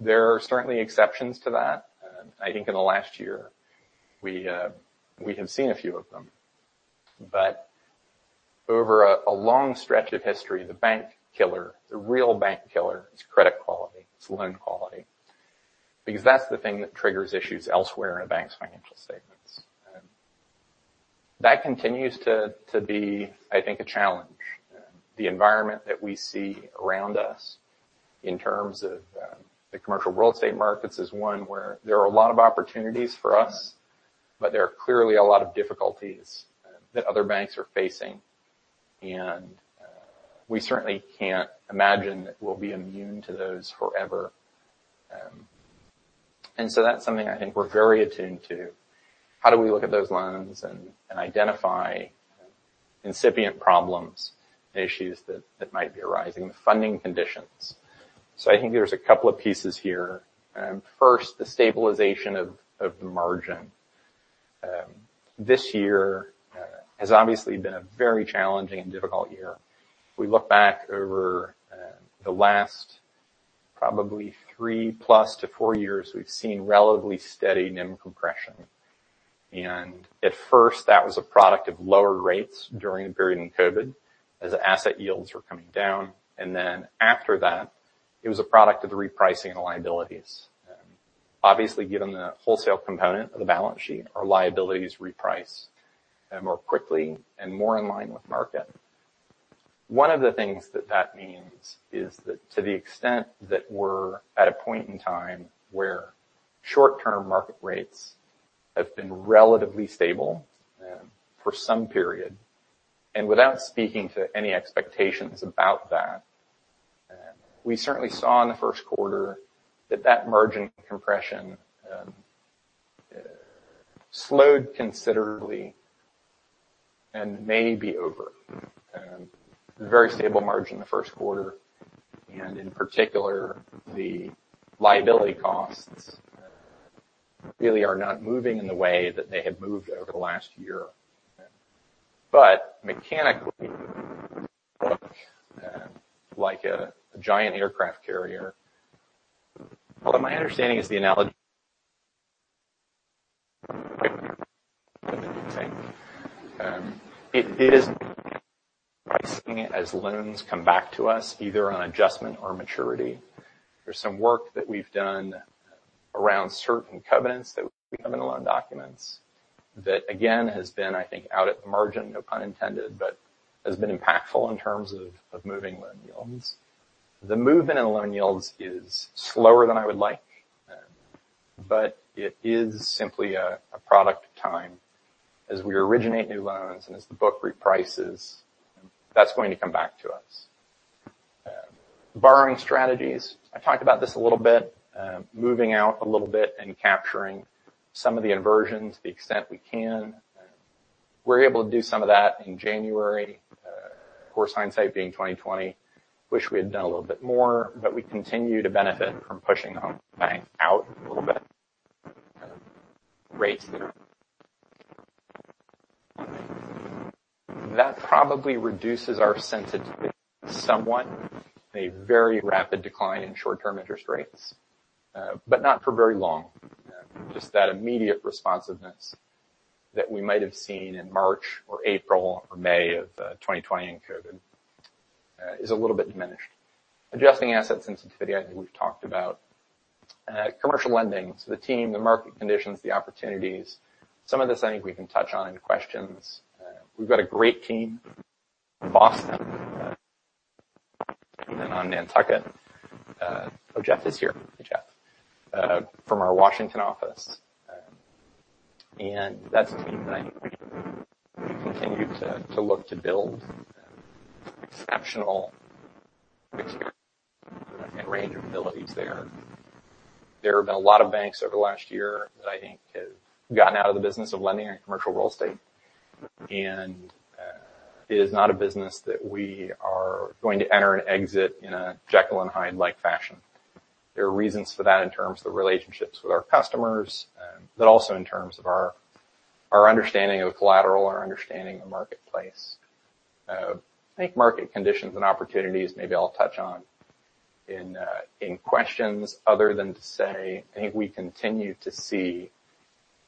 There are certainly exceptions to that. I think in the last year, we have seen a few of them. But over a long stretch of history, the bank killer, the real bank killer, is credit quality, it's loan quality. Because that's the thing that triggers issues elsewhere in a bank's financial statements. That continues to be, I think, a challenge. The environment that we see around us in terms of the commercial real estate markets is one where there are a lot of opportunities for us, but there are clearly a lot of difficulties that other banks are facing. We certainly can't imagine that we'll be immune to those forever. And so that's something I think we're very attuned to. How do we look at those loans and identify incipient problems, issues that might be arising, the funding conditions? I think there's a couple of pieces here. First, the stabilization of the margin. This year has obviously been a very challenging and difficult year. We look back over the last probably three-plus to four years, we've seen relatively steady NIM compression. And at first, that was a product of lower rates during the period in COVID, as the asset yields were coming down, and then after that, it was a product of the repricing of the liabilities. Obviously, given the wholesale component of the balance sheet, our liabilities reprice more quickly and more in line with market. One of the things that that means is that to the extent that we're at a point in time where short-term market rates have been relatively stable, for some period, and without speaking to any expectations about that, we certainly saw in the first quarter that that margin compression, slowed considerably and may be over. A very stable margin in the first quarter, and in particular, the liability costs, really are not moving in the way that they had moved over the last year. But mechanically, like a giant aircraft carrier. Although my understanding is the analogy. It is pricing it as loans come back to us, either on adjustment or maturity. There's some work that we've done around certain covenants that we have in the loan documents, that again, has been, I think, out at the margin, no pun intended, but has been impactful in terms of moving loan yields. The movement in loan yields is slower than I would like, but it is simply a product of time. As we originate new loans and as the book reprices, that's going to come back to us. Borrowing strategies. I talked about this a little bit, moving out a little bit and capturing some of the inversions to the extent we can. We're able to do some of that in January. Of course, hindsight being 20/20, wish we had done a little bit more, but we continue to benefit from pushing the home bank out a little bit. Rates that probably reduces our sensitivity somewhat, a very rapid decline in short-term interest rates, but not for very long. Just that immediate responsiveness that we might have seen in March or April or May of 2020 in COVID is a little bit diminished. Adjusting asset sensitivity, I think we've talked about. Commercial lending, so the team, the market conditions, the opportunities. Some of this, I think we can touch on in questions. We've got a great team in Boston and on Nantucket. Oh, Jeff is here. Hey, Jeff, from our Washington office. And that's the team that I continue to look to build exceptional and range of abilities there. There have been a lot of banks over the last year that I think have gotten out of the business of lending in commercial real estate, and it is not a business that we are going to enter and exit in a Jekyll and Hyde-like fashion. There are reasons for that in terms of the relationships with our customers, but also in terms of our understanding of the collateral and our understanding of the marketplace. I think market conditions and opportunities, maybe I'll touch on in questions other than to say, I think we continue to see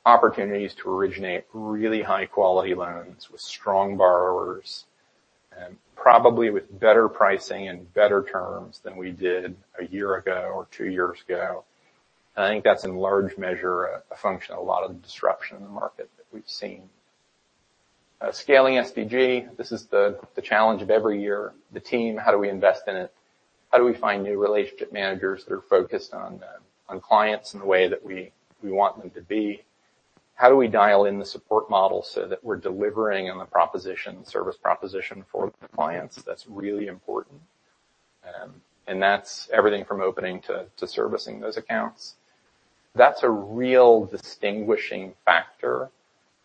opportunities to originate really high-quality loans with strong borrowers, probably with better pricing and better terms than we did a year ago or two years ago. I think that's in large measure a function of a lot of the disruption in the market that we've seen. Scaling SDG, this is the challenge of every year. The team, how do we invest in it? How do we find new relationship managers that are focused on clients in the way that we want them to be? How do we dial in the support model so that we're delivering on the proposition, service proposition for the clients? That's really important. And that's everything from opening to servicing those accounts. That's a real distinguishing factor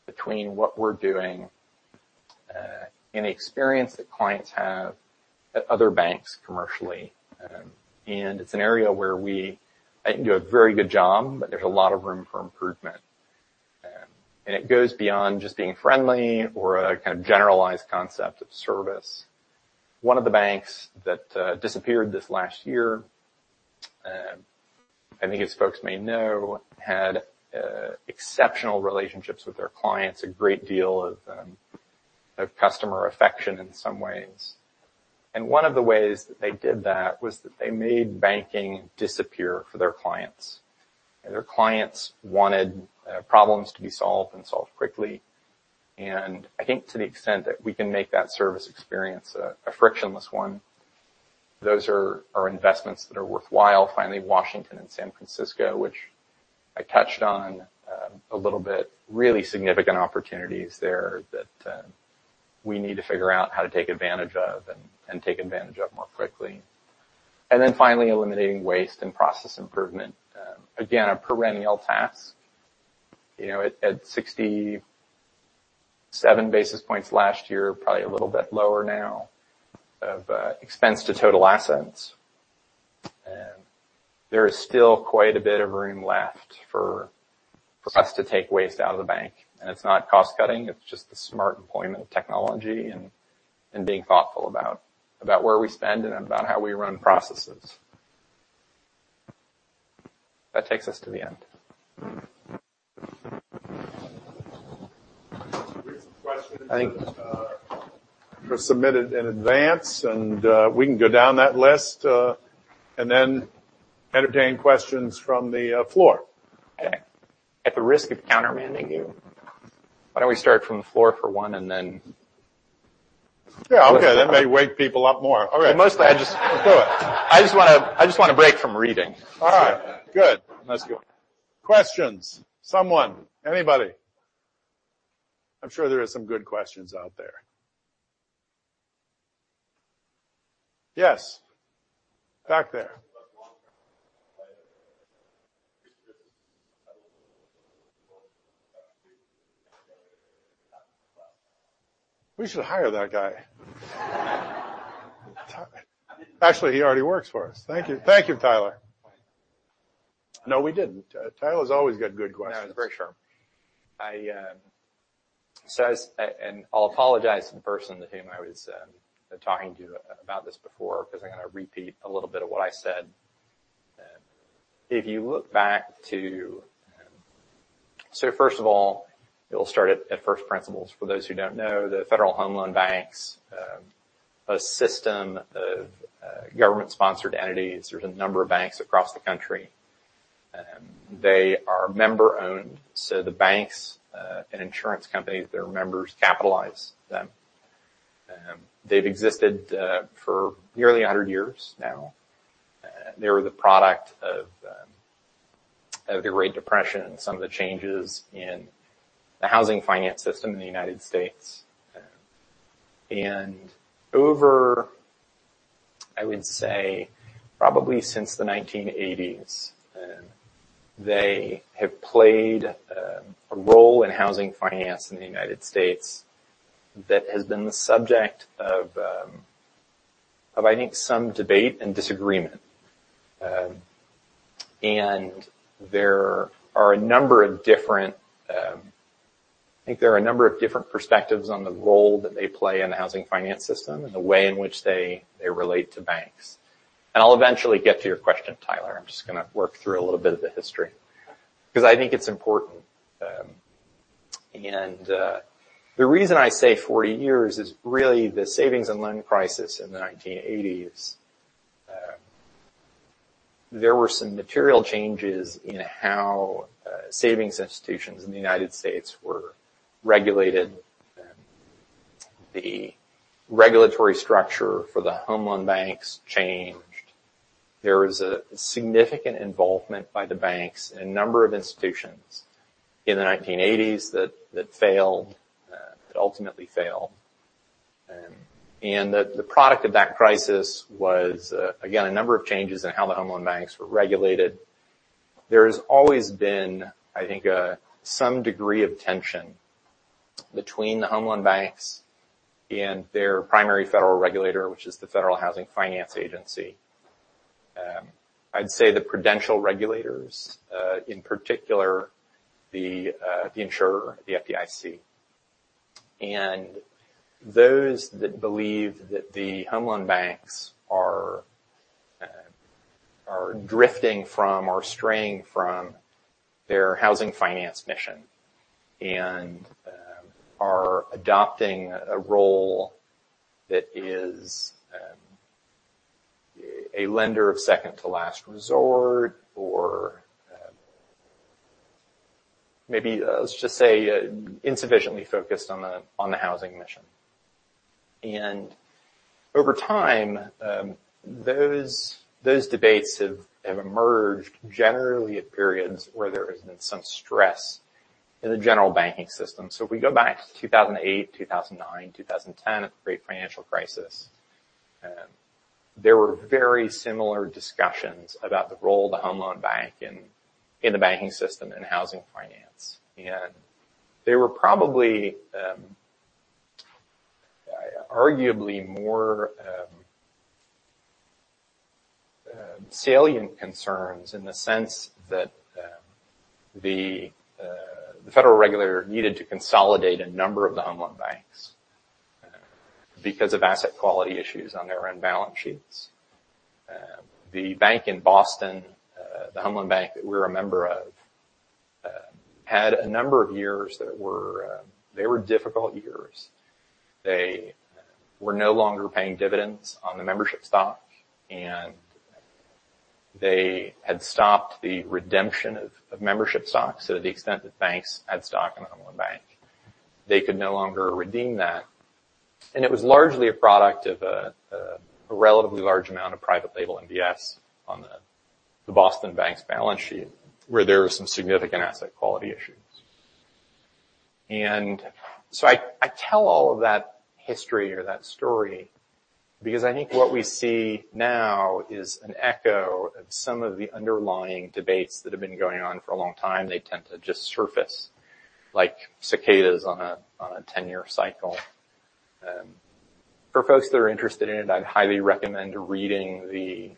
between what we're doing, and the experience that clients have at other banks commercially. And it's an area where we, I think, do a very good job, but there's a lot of room for improvement. And it goes beyond just being friendly or a kind of generalized concept of service. One of the banks that disappeared this last year, I think as folks may know, had exceptional relationships with their clients, a great deal of customer affection in some ways. And one of the ways that they did that was that they made banking disappear for their clients. Their clients wanted problems to be solved and solved quickly. And I think to the extent that we can make that service experience a frictionless one, those are investments that are worthwhile. Finally, Washington and San Francisco, which I touched on a little bit, really significant opportunities there that we need to figure out how to take advantage of and take advantage of more quickly. And then finally, eliminating waste and process improvement. Again, a perennial task. You know, at 67 basis points last year, probably a little bit lower now of expense to total assets, and there is still quite a bit of room left for us to take waste out of the bank, and it's not cost-cutting, it's just the smart deployment of technology and being thoughtful about where we spend and about how we run processes. That takes us to the end. We have some questions. I think. Were submitted in advance, and we can go down that list, and then entertain questions from the floor. Okay. At the risk of countermanding you, why don't we start from the floor for one, and then- Yeah, okay. That may wake people up more. All right. Mostly, I just. Go. I just want a break from reading. All right. Good. Let's go. Questions? Someone? Anybody. I'm sure there are some good questions out there. Yes, back there. We should hire that guy. Actually, he already works for us. Thank you. Thank you, Tyler. No, we didn't. Tyler's always got good questions. Yeah, I'm pretty sure. And I'll apologize to the person to whom I was talking to about this before, because I'm gonna repeat a little bit of what I said. If you look back to. So first of all, we'll start at first principles. For those who don't know, the Federal Home Loan Banks, a system of government-sponsored entities. There's a number of banks across the country, they are member-owned, so the banks and insurance companies, their members capitalize them. They've existed for nearly 100 years now. They were the product of the Great Depression and some of the changes in the housing finance system in the United States. Over, I would say, probably since the nineteen eighties, they have played a role in housing finance in the United States that has been the subject of, I think, some debate and disagreement. There are a number of different perspectives on the role that they play in the housing finance system and the way in which they relate to banks. I'll eventually get to your question, Taylor. I'm just gonna work through a little bit of the history, because I think it's important. The reason I say 40 years is really the savings and loan crisis in the 1980s. There were some material changes in how savings institutions in the United States were regulated. The regulatory structure for the Home Loan Banks changed. There was a significant involvement by the banks and a number of institutions in the nineteen eighties that failed that ultimately failed, and the product of that crisis was again a number of changes in how the Home Loan Banks were regulated. There has always been, I think, some degree of tension between the Home Loan Banks and their primary federal regulator, which is the Federal Housing Finance Agency. I'd say the prudential regulators in particular the insurer, the FDIC, and those that believe that the Home Loan Banks are drifting from or straying from their housing finance mission, and are adopting a role that is a lender of second to last resort, or maybe, let's just say, insufficiently focused on the housing mission. And over time, those debates have emerged generally at periods where there has been some stress in the general banking system. So if we go back to 2008, 2009, 2010, the great financial crisis, there were very similar discussions about the role of the Home Loan Bank in the banking system, in housing finance. And they were probably, arguably more salient concerns in the sense that, the federal regulator needed to consolidate a number of the Home Loan Banks, because of asset quality issues on their own balance sheets. The bank in Boston, the Home Loan Bank that we're a member of, had a number of years that were difficult years. They were no longer paying dividends on the membership stock, and they had stopped the redemption of membership stocks. So to the extent that banks had stock in the Home Loan Bank, they could no longer redeem that. And it was largely a product of a relatively large amount of private label MBS on the Boston Bank's balance sheet, where there were some significant asset quality issues. And so I tell all of that history or that story because I think what we see now is an echo of some of the underlying debates that have been going on for a long time. They tend to just surface like cicadas on a 10-year cycle. For folks that are interested in it, I'd highly recommend reading the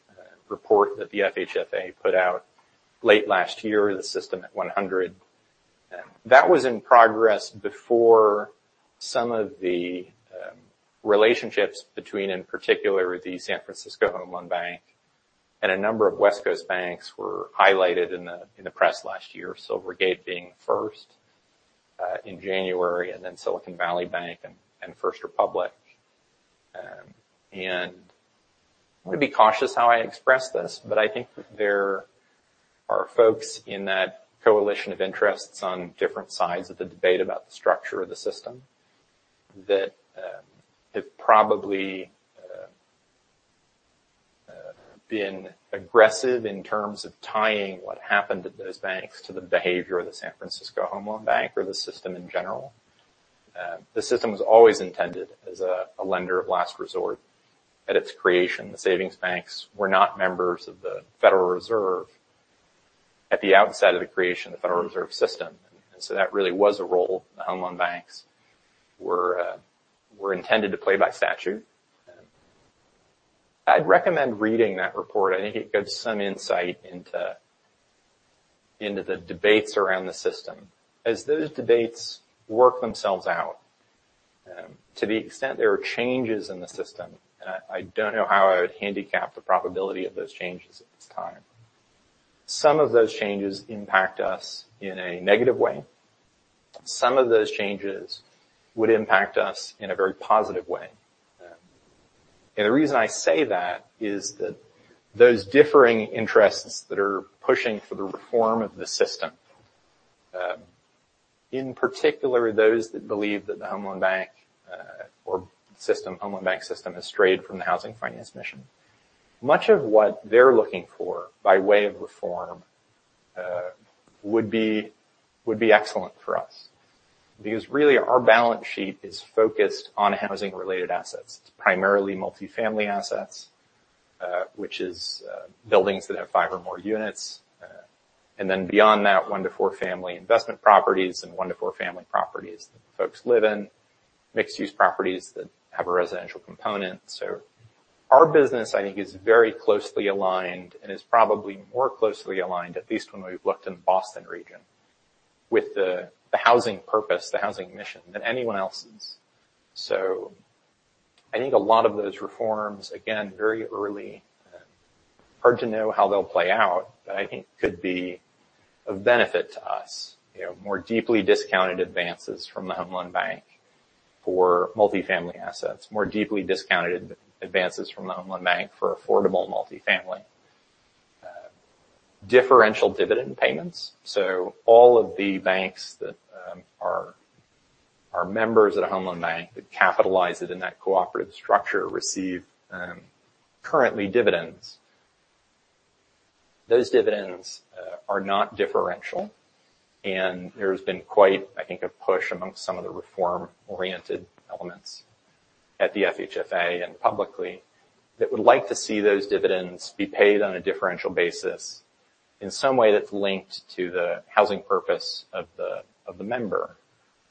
report that the FHFA put out late last year, The System at One Hundred. That was in progress before some of the relationships between, in particular, the Federal Home Loan Bank of San Francisco and a number of West Coast banks were highlighted in the press last year, Silvergate being first, in January, and then Silicon Valley Bank and First Republic. And I'm gonna be cautious how I express this, but I think there are folks in that coalition of interests on different sides of the debate about the structure of the system, that have probably been aggressive in terms of tying what happened at those banks to the behavior of the Federal Home Loan Bank of San Francisco or the system in general. The system was always intended as a lender of last resort. At its creation, the savings banks were not members of the Federal Reserve at the outset of the creation of the Federal Reserve System, and so that really was a role the Home Loan Banks were intended to play by statute. I'd recommend reading that report. I think it gives some insight into the debates around the system. As those debates work themselves out, to the extent there are changes in the system, and I don't know how I would handicap the probability of those changes at this time. Some of those changes impact us in a negative way. Some of those changes would impact us in a very positive way. And the reason I say that is that those differing interests that are pushing for the reform of the system, in particular, those that believe that the Home Loan Bank system has strayed from the housing finance mission. Much of what they're looking for, by way of reform, would be excellent for us. Because really, our balance sheet is focused on housing-related assets. It's primarily multifamily assets, which is buildings that have five or more units. And then beyond that, one to four family investment properties and one to four family properties that folks live in, mixed-use properties that have a residential component. So our business, I think, is very closely aligned and is probably more closely aligned, at least when we've looked in the Boston region, with the housing purpose, the housing mission, than anyone else's. So I think a lot of those reforms, again, very early, hard to know how they'll play out, but I think could be of benefit to us. You know, more deeply discounted advances from the Home Loan Bank for multifamily assets, more deeply discounted advances from the Home Loan Bank for affordable multifamily, differential dividend payments. So all of the banks that are members at a Home Loan Bank that capitalize it in that cooperative structure receive currently dividends. Those dividends are not differential, and there's been quite, I think, a push among some of the reform-oriented elements at the FHFA and publicly, that would like to see those dividends be paid on a differential basis in some way that's linked to the housing purpose of the member.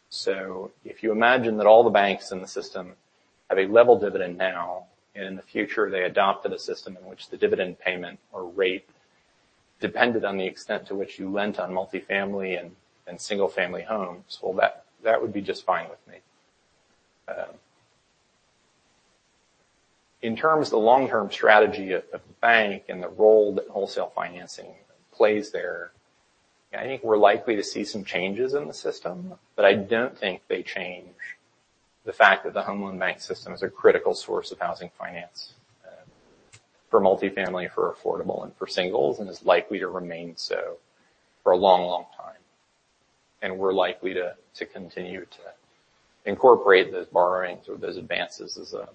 So if you imagine that all the banks in the system have a level dividend now, and in the future, they adopted a system in which the dividend payment or rate depended on the extent to which you lent on multifamily and single-family homes, well, that would be just fine with me. In terms of the long-term strategy of the bank and the role that wholesale financing plays there, I think we're likely to see some changes in the system, but I don't think they change the fact that the Home Loan Bank system is a critical source of housing finance for multifamily, for affordable and for singles, and is likely to remain so for a long, long time, and we're likely to continue to incorporate those borrowings or those advances as a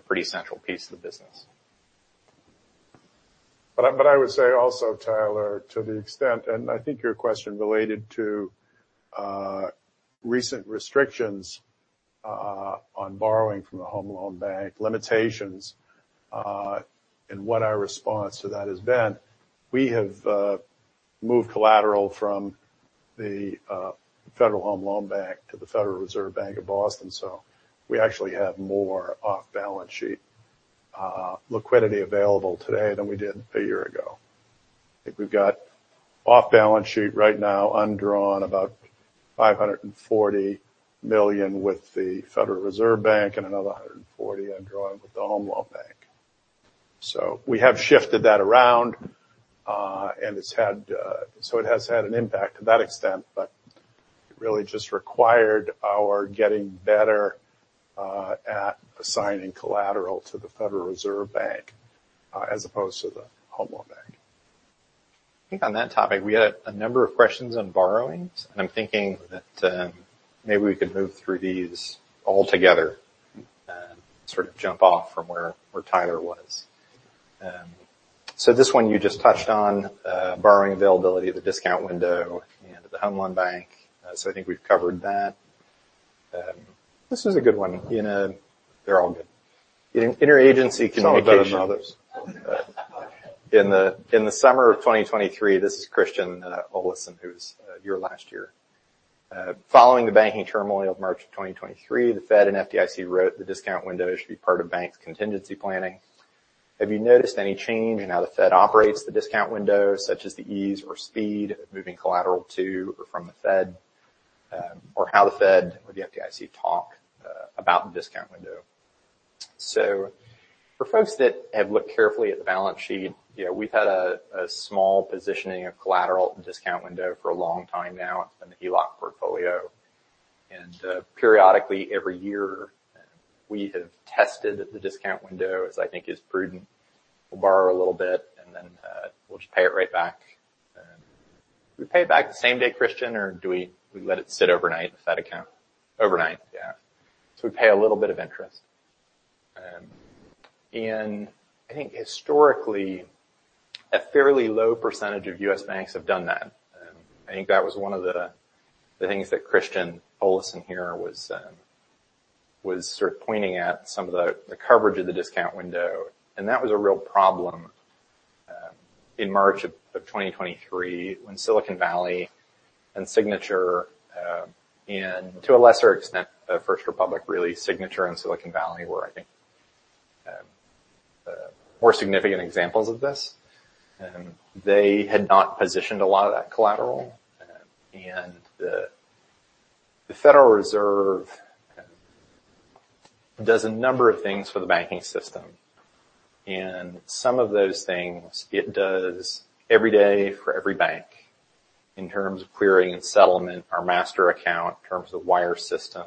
pretty central piece of the business. But I would say also, Tyler, to the extent—and I think your question related to recent restrictions on borrowing from the Home Loan Bank, limitations, and what our response to that has been. We have moved collateral from the Federal Home Loan Bank to the Federal Reserve Bank of Boston, so we actually have more off-balance sheet liquidity available today than we did a year ago. I think we've got off-balance sheet right now, undrawn, about $540 million with the Federal Reserve Bank and another $140 million undrawn with the Home Loan Bank. So we have shifted that around, and it's had. So it has had an impact to that extent, but it really just required our getting better at assigning collateral to the Federal Reserve Bank as opposed to the Home Loan Bank. I think on that topic, we had a number of questions on borrowings, and I'm thinking that, maybe we could move through these all together and sort of jump off from where Taylor was. So this one you just touched on, borrowing availability of the discount window and the Home Loan Bank. So I think we've covered that. This is a good one. You know, they're all good. In interagency communication. Some are better than others. In the summer of 2023, this is Christian Olesen, who was here last year. Following the banking turmoil of March of 2023, the Fed and FDIC wrote the Discount Window should be part of bank's contingency planning. Have you noticed any change in how the Fed operates the Discount Window, such as the ease or speed of moving collateral to or from the Fed, or how the Fed or the FDIC talk about the Discount Window? So for folks that have looked carefully at the balance sheet, you know, we've had a small positioning of collateral Discount Window for a long time now in the HELOC portfolio. And periodically, every year, we have tested the Discount Window, as I think is prudent. We'll borrow a little bit, and then we'll just pay it right back. Do we pay it back the same day, Christian, or do we let it sit overnight in the Fed account? Overnight. Yeah. So we pay a little bit of interest. And I think historically, a fairly low percentage of U.S. banks have done that. I think that was one of the things that Christian Olesen here was sort of pointing at some of the coverage of the discount window, and that was a real problem in March of 2023, when Silicon Valley and Signature, and to a lesser extent, First Republic, really Signature and Silicon Valley were, I think, more significant examples of this. They had not positioned a lot of that collateral. And the Federal Reserve does a number of things for the banking system, and some of those things it does every day for every bank in terms of querying and settlement, our master account, in terms of wire system,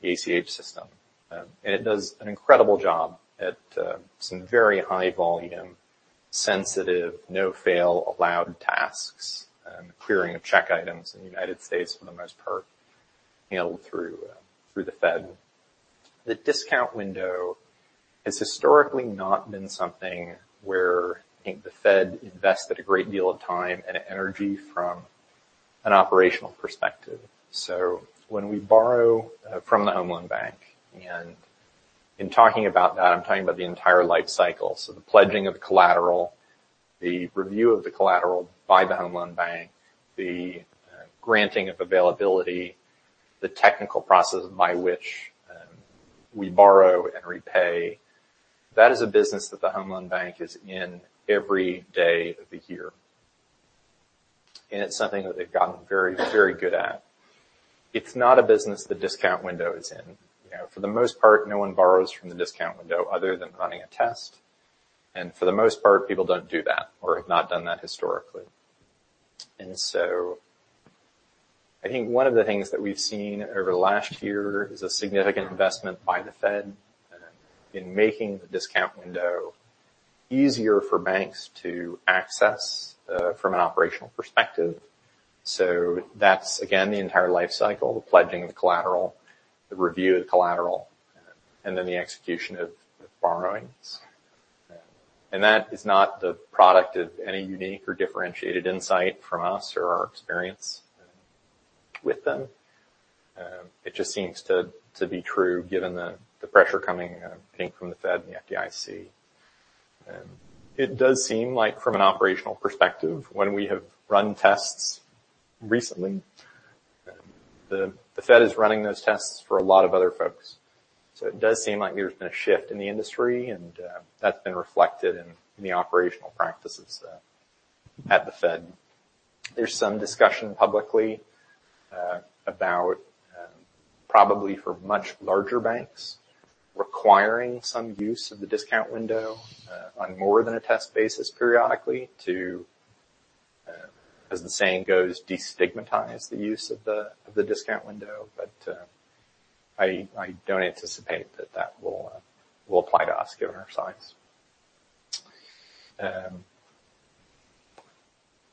the ACH system. And it does an incredible job at some very high volume, sensitive, no fail allowed tasks, clearing of check items in the United States for the most part, handled through the Fed. The discount window has historically not been something where, I think, the Fed invested a great deal of time and energy from an operational perspective. So when we borrow from the Home Loan Bank, and in talking about that, I'm talking about the entire life cycle. The pledging of the collateral, the review of the collateral by the Home Loan Bank, the granting of availability, the technical process by which we borrow and repay. That is a business that the Home Loan Bank is in every day of the year, and it's something that they've gotten very, very good at. It's not a business the discount window is in. You know, for the most part, no one borrows from the discount window other than running a test, and for the most part, people don't do that or have not done that historically. I think one of the things that we've seen over the last year is a significant investment by the Fed in making the discount window easier for banks to access from an operational perspective. So that's, again, the entire life cycle, the pledging of the collateral, the review of the collateral, and then the execution of the borrowings. And that is not the product of any unique or differentiated insight from us or our experience with them. It just seems to be true, given the pressure coming, I think, from the Fed and the FDIC. It does seem like from an operational perspective, when we have run tests recently, the Fed is running those tests for a lot of other folks. So it does seem like there's been a shift in the industry, and that's been reflected in the operational practices at the Fed. There's some discussion publicly about probably for much larger banks, requiring some use of the discount window on more than a test basis periodically to, as the saying goes, destigmatize the use of the discount window. But I don't anticipate that that will apply to us, given our size.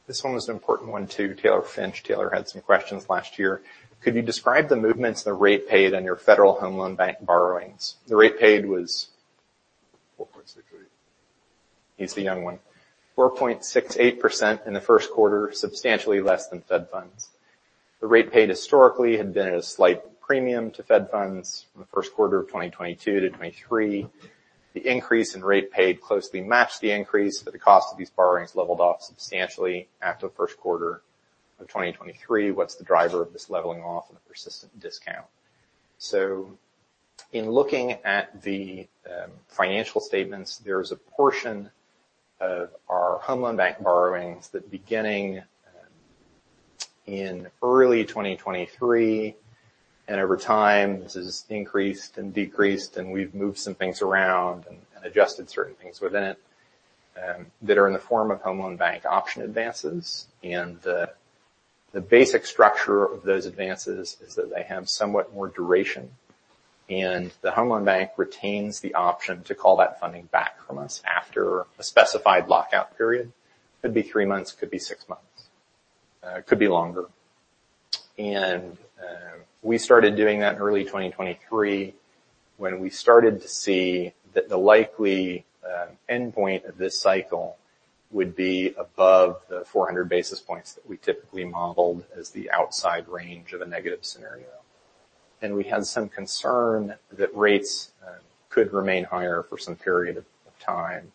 This one was an important one, too. Taylor Finch. Taylor had some questions last year. Could you describe the movements in the rate paid on your Federal Home Loan Bank borrowings? The rate paid was. 4.68. He's the young one. 4.68% in the first quarter, substantially less than Fed funds. The rate paid historically had been at a slight premium to Fed funds from the first quarter of 2022-2023. The increase in rate paid closely matched the increase, but the cost of these borrowings leveled off substantially after the first quarter of 2023. What's the driver of this leveling off and the persistent discount? So in looking at the, financial statements, there is a portion of our Home Loan Bank borrowings that beginning, in early 2023, and over time, this has increased and decreased, and we've moved some things around and adjusted certain things within it, that are in the form of Home Loan Bank option advances. The basic structure of those advances is that they have somewhat more duration, and the Home Loan Bank retains the option to call that funding back from us after a specified lockout period. Could be three months, could be six months, could be longer. We started doing that in early 2023, when we started to see that the likely endpoint of this cycle would be above the four hundred basis points that we typically modeled as the outside range of a negative scenario. We had some concern that rates could remain higher for some period of time.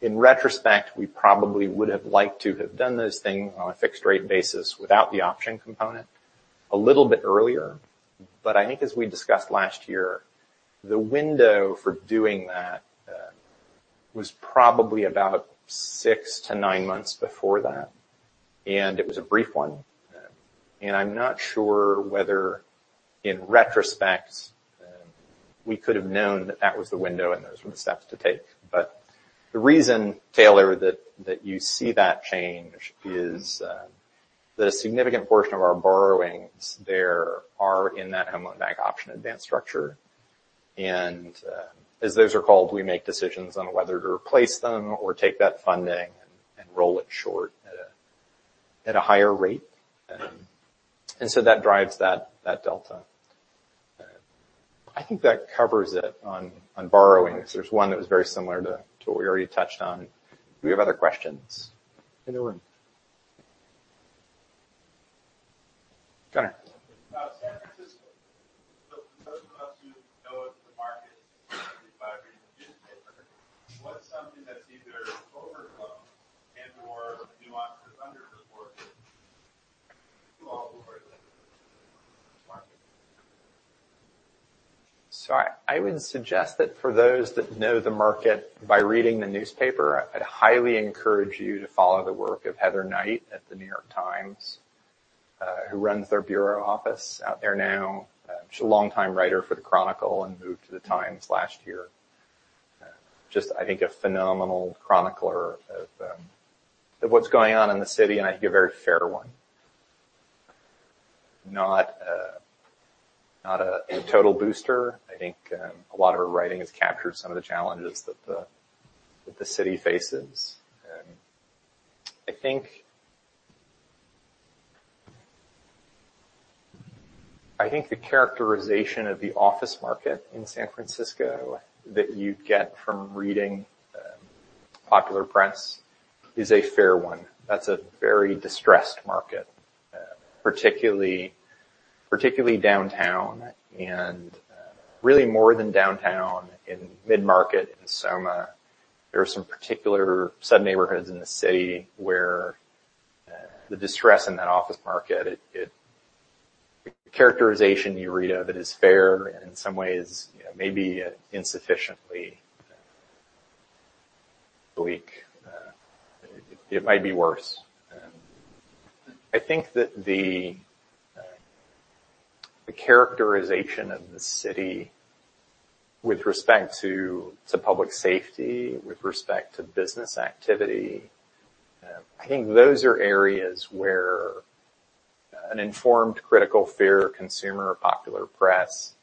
In retrospect, we probably would have liked to have done this thing on a fixed rate basis without the option component a little bit earlier. But I think as we discussed last year, the window for doing that was probably about six to nine months before that, and it was a brief one. And I'm not sure whether, in retrospect, we could have known that that was the window and those were the steps to take. But the reason, Taylor, that you see that change is that a significant portion of our borrowings there are in that Federal Home Loan Bank option advance structure. And as those are called, we make decisions on whether to replace them or take that funding and roll it short at a higher rate. And so that drives that delta. I think that covers it on borrowings. There's one that was very similar to what we already touched on. Do we have other questions? Anyone? Connor. San Francisco. For those of us who know the market by reading the newspaper, what's something that's either overlooked and, or nuanced or underreported to all over the market? So I would suggest that for those that know the market by reading the newspaper, I'd highly encourage you to follow the work of Heather Knight at The New York Times, who runs their bureau office out there now. She's a long time writer for the Chronicle and moved to The Times last year. Just, I think, a phenomenal chronicler of what's going on in the city, and I think a very fair one. Not a total booster. I think a lot of her writing has captured some of the challenges that the city faces. And I think the characterization of the office market in San Francisco that you get from reading popular press is a fair one. That's a very distressed market, particularly downtown and really more than downtown in Mid-Market in SoMa. There are some particular sub-neighborhoods in the city where the distress in that office market, the characterization you read of it is fair, and in some ways, maybe insufficiently weak. It might be worse. I think that the characterization of the city with respect to public safety, with respect to business activity, I think those are areas where an informed, critical, fair consumer of popular press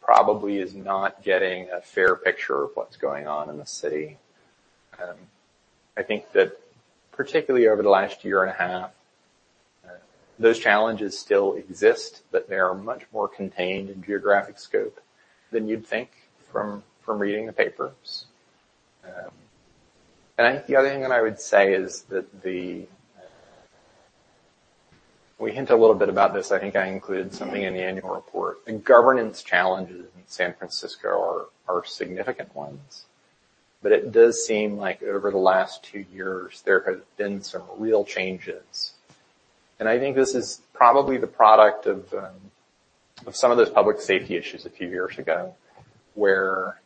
probably is not getting a fair picture of what's going on in the city. I think that particularly over the last year and a half, those challenges still exist, but they are much more contained in geographic scope than you'd think from reading the papers. And I think the other thing that I would say is that we hint a little bit about this. I think I included something in the annual report. The governance challenges in San Francisco are significant ones, but it does seem like over the last two years, there have been some real changes. And I think this is probably the product of some of those public safety issues a few years ago, where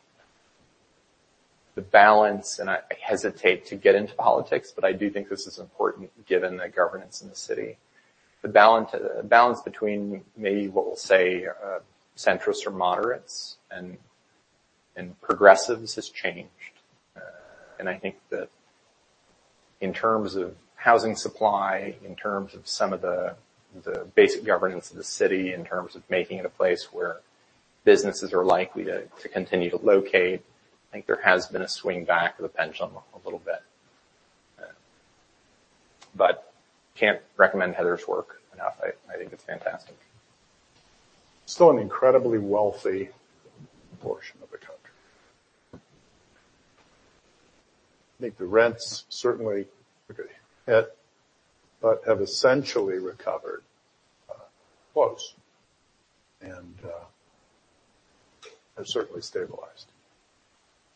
the balance and I hesitate to get into politics, but I do think this is important given the governance in the city. The balance between maybe what we'll say centrist or moderates and progressives has changed. And I think that in terms of housing supply, in terms of some of the basic governance of the city, in terms of making it a place where businesses are likely to continue to locate, I think there has been a swing back of the pendulum a little bit. But can't recommend Heather's work enough. I think it's fantastic. Still an incredibly wealthy portion of the country. I think the rents certainly, but have essentially recovered close and have certainly stabilized.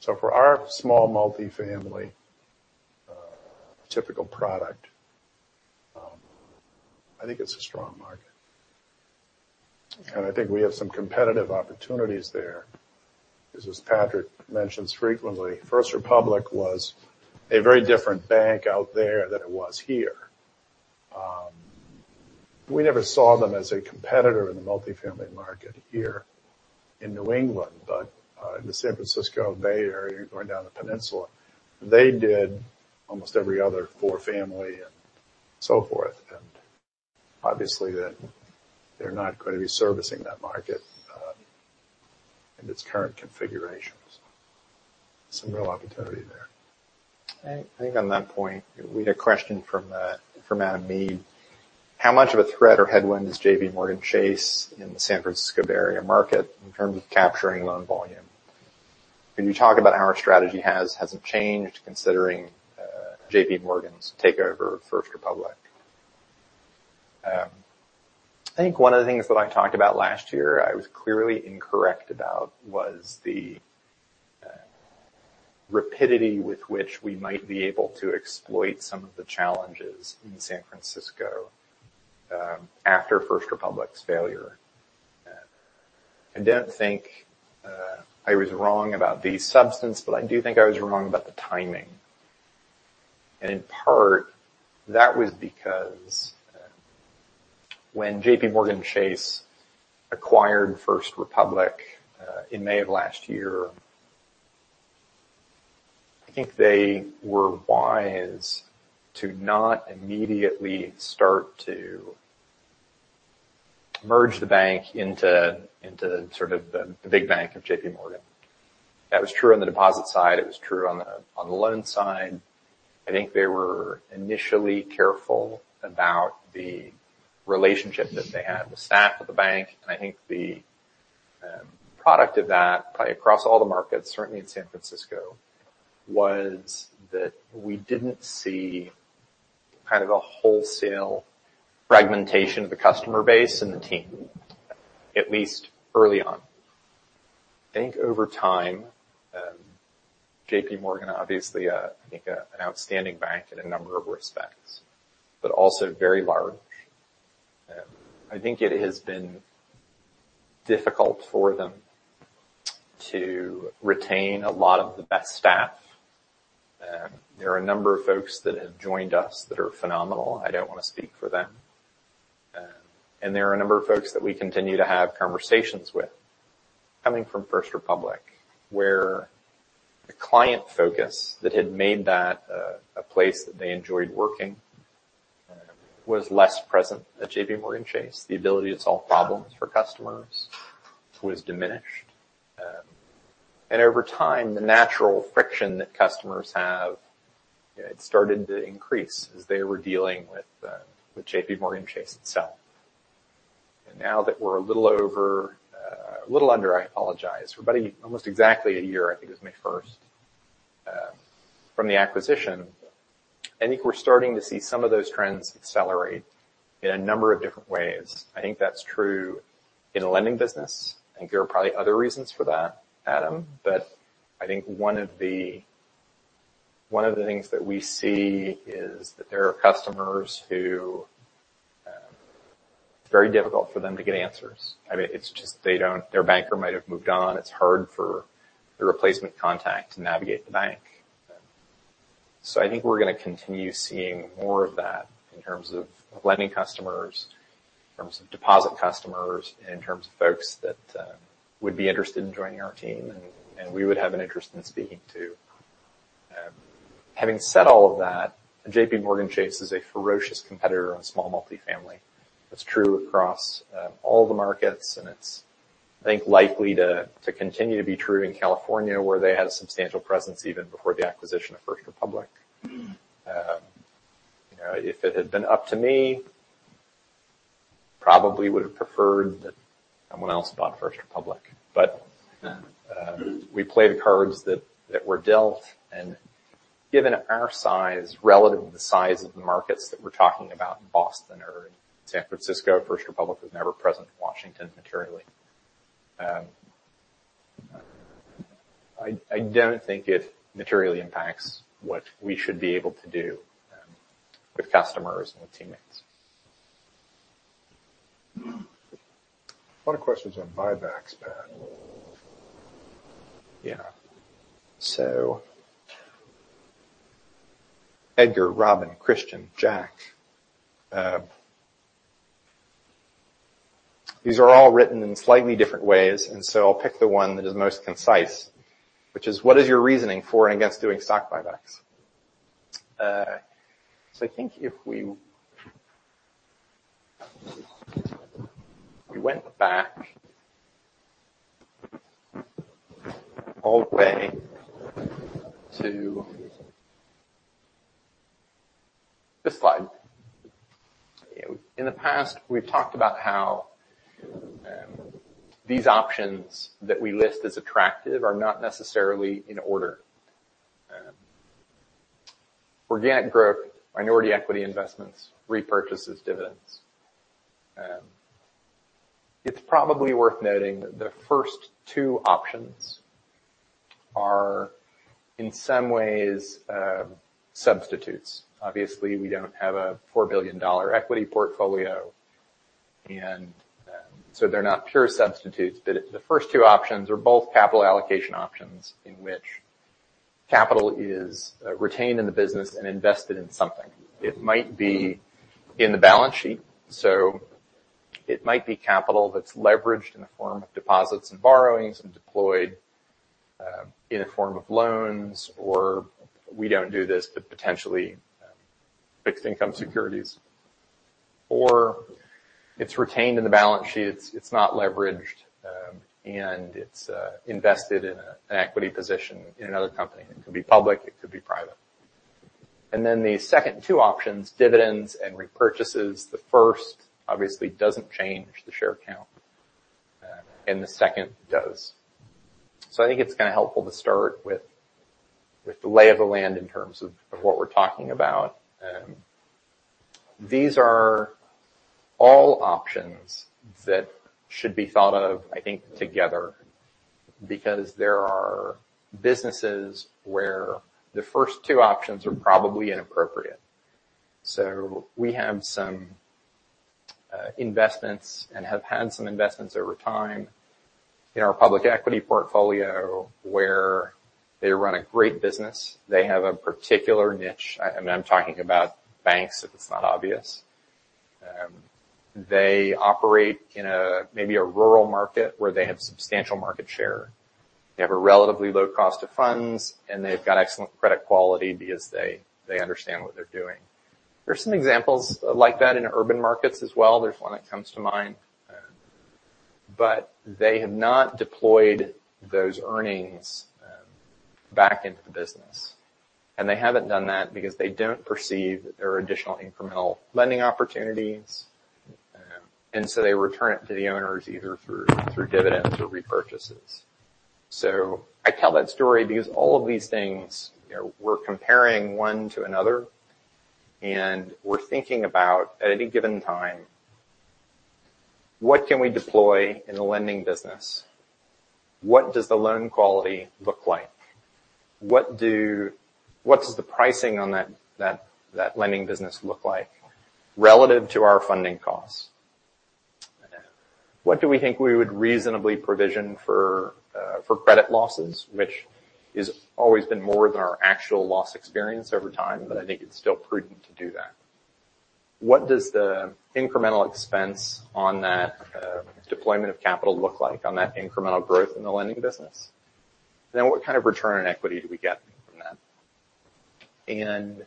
So for our small multifamily, typical product, I think it's a strong market. And I think we have some competitive opportunities there. As Patrick mentions frequently, First Republic was a very different bank out there than it was here. We never saw them as a competitor in the multifamily market here in New England, but in the San Francisco Bay Area, going down the peninsula, they did almost every other multifamily and so forth. And obviously, that they're not going to be servicing that market in its current configurations. Some real opportunity there. I, I think on that point, we had a question from, from Adam Mead. How much of a threat or headwind is JPMorgan Chase in the San Francisco Bay Area market in terms of capturing loan volume? Can you talk about how our strategy has, hasn't changed considering JPMorgan's takeover of First Republic? I think one of the things that I talked about last year, I was clearly incorrect about, was the rapidity with which we might be able to exploit some of the challenges in San Francisco after First Republic's failure. I don't think I was wrong about the substance, but I do think I was wrong about the timing. And in part, that was because, when JPMorgan Chase acquired First Republic, in May of last year, I think they were wise to not immediately start to merge the bank into sort of the big bank of JPMorgan. That was true on the deposit side. It was true on the loan side. I think they were initially careful about the relationship that they had with staff at the bank. And I think the product of that, probably across all the markets, certainly in San Francisco, was that we didn't see kind of a wholesale fragmentation of the customer base and the team, at least early on. I think over time, JPMorgan, obviously, I think, an outstanding bank in a number of respects, but also very large. I think it has been difficult for them to retain a lot of the best staff. There are a number of folks that have joined us that are phenomenal. I don't want to speak for them. And there are a number of folks that we continue to have conversations with coming from First Republic, where the client focus that had made that a place that they enjoyed working was less present at JPMorgan Chase. The ability to solve problems for customers was diminished. And over time, the natural friction that customers have, it started to increase as they were dealing with JPMorgan Chase itself. And now that we're a little over, a little under, I apologize, but almost exactly a year, I think it was May first, from the acquisition, I think we're starting to see some of those trends accelerate in a number of different ways. I think that's true in the lending business. I think there are probably other reasons for that, Adam, but I think one of the things that we see is that there are customers who, very difficult for them to get answers. I mean, it's just they don't their banker might have moved on. It's hard for the replacement contact to navigate the bank. So I think we're gonna continue seeing more of that in terms of lending customers, in terms of deposit customers, and in terms of folks that would be interested in joining our team, and we would have an interest in speaking to. Having said all of that, JPMorgan Chase is a ferocious competitor on small multifamily. That's true across all the markets, and it's, I think, likely to continue to be true in California, where they had a substantial presence even before the acquisition of First Republic. You know, if it had been up to me, probably would have preferred that someone else bought First Republic. But we play the cards that were dealt, and given our size relative to the size of the markets that we're talking about in Boston or in San Francisco, First Republic was never present in Washington materially. I don't think it materially impacts what we should be able to do with customers and with teammates. A lot of questions on buybacks, Pat. Yeah. So Edgar, Robin, Christian, Jack, these are all written in slightly different ways, and so I'll pick the one that is most concise, which is: What is your reasoning for and against doing stock buybacks? So I think if we went back all the way to this slide. In the past, we've talked about how these options that we list as attractive are not necessarily in order. Organic growth, minority equity investments, repurchases, dividends. It's probably worth noting that the first two options are in some ways substitutes. Obviously, we don't have a $4 billion equity portfolio, and so they're not pure substitutes. But the first two options are both capital allocation options in which capital is retained in the business and invested in something. It might be in the balance sheet, so it might be capital that's leveraged in the form of deposits and borrowings and deployed in the form of loans, or we don't do this, but potentially fixed income securities. Or it's retained in the balance sheet, it's not leveraged, and it's invested in an equity position in another company. It could be public, it could be private. And then the second two options, dividends and repurchases. The first, obviously doesn't change the share count, and the second does. So I think it's kinda helpful to start with the lay of the land in terms of what we're talking about. These are all options that should be thought of, I think, together, because there are businesses where the first two options are probably inappropriate. So we have some investments and have had some investments over time in our public equity portfolio, where they run a great business, they have a particular niche. I'm talking about banks, if it's not obvious. They operate in maybe a rural market where they have substantial market share. They have a relatively low cost of funds, and they've got excellent credit quality because they understand what they're doing. There are some examples like that in urban markets as well. There's one that comes to mind, but they have not deployed those earnings back into the business. And they haven't done that because they don't perceive there are additional incremental lending opportunities, and so they return it to the owners, either through dividends or repurchases. So I tell that story because all of these things, you know, we're comparing one to another, and we're thinking about, at any given time, what can we deploy in the lending business? What does the loan quality look like? What does the pricing on that lending business look like relative to our funding costs? What do we think we would reasonably provision for, for credit losses, which is always been more than our actual loss experience over time, but I think it's still prudent to do that. What does the incremental expense on that deployment of capital look like on that incremental growth in the lending business? Then what kind of return on equity do we get from that? And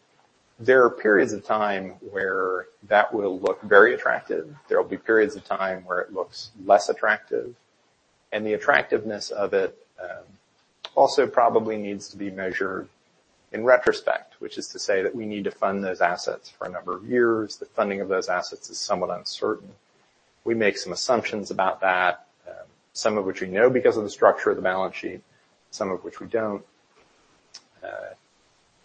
there are periods of time where that will look very attractive. There will be periods of time where it looks less attractive. And the attractiveness of it also probably needs to be measured in retrospect, which is to say that we need to fund those assets for a number of years. The funding of those assets is somewhat uncertain. We make some assumptions about that, some of which we know because of the structure of the balance sheet, some of which we don't.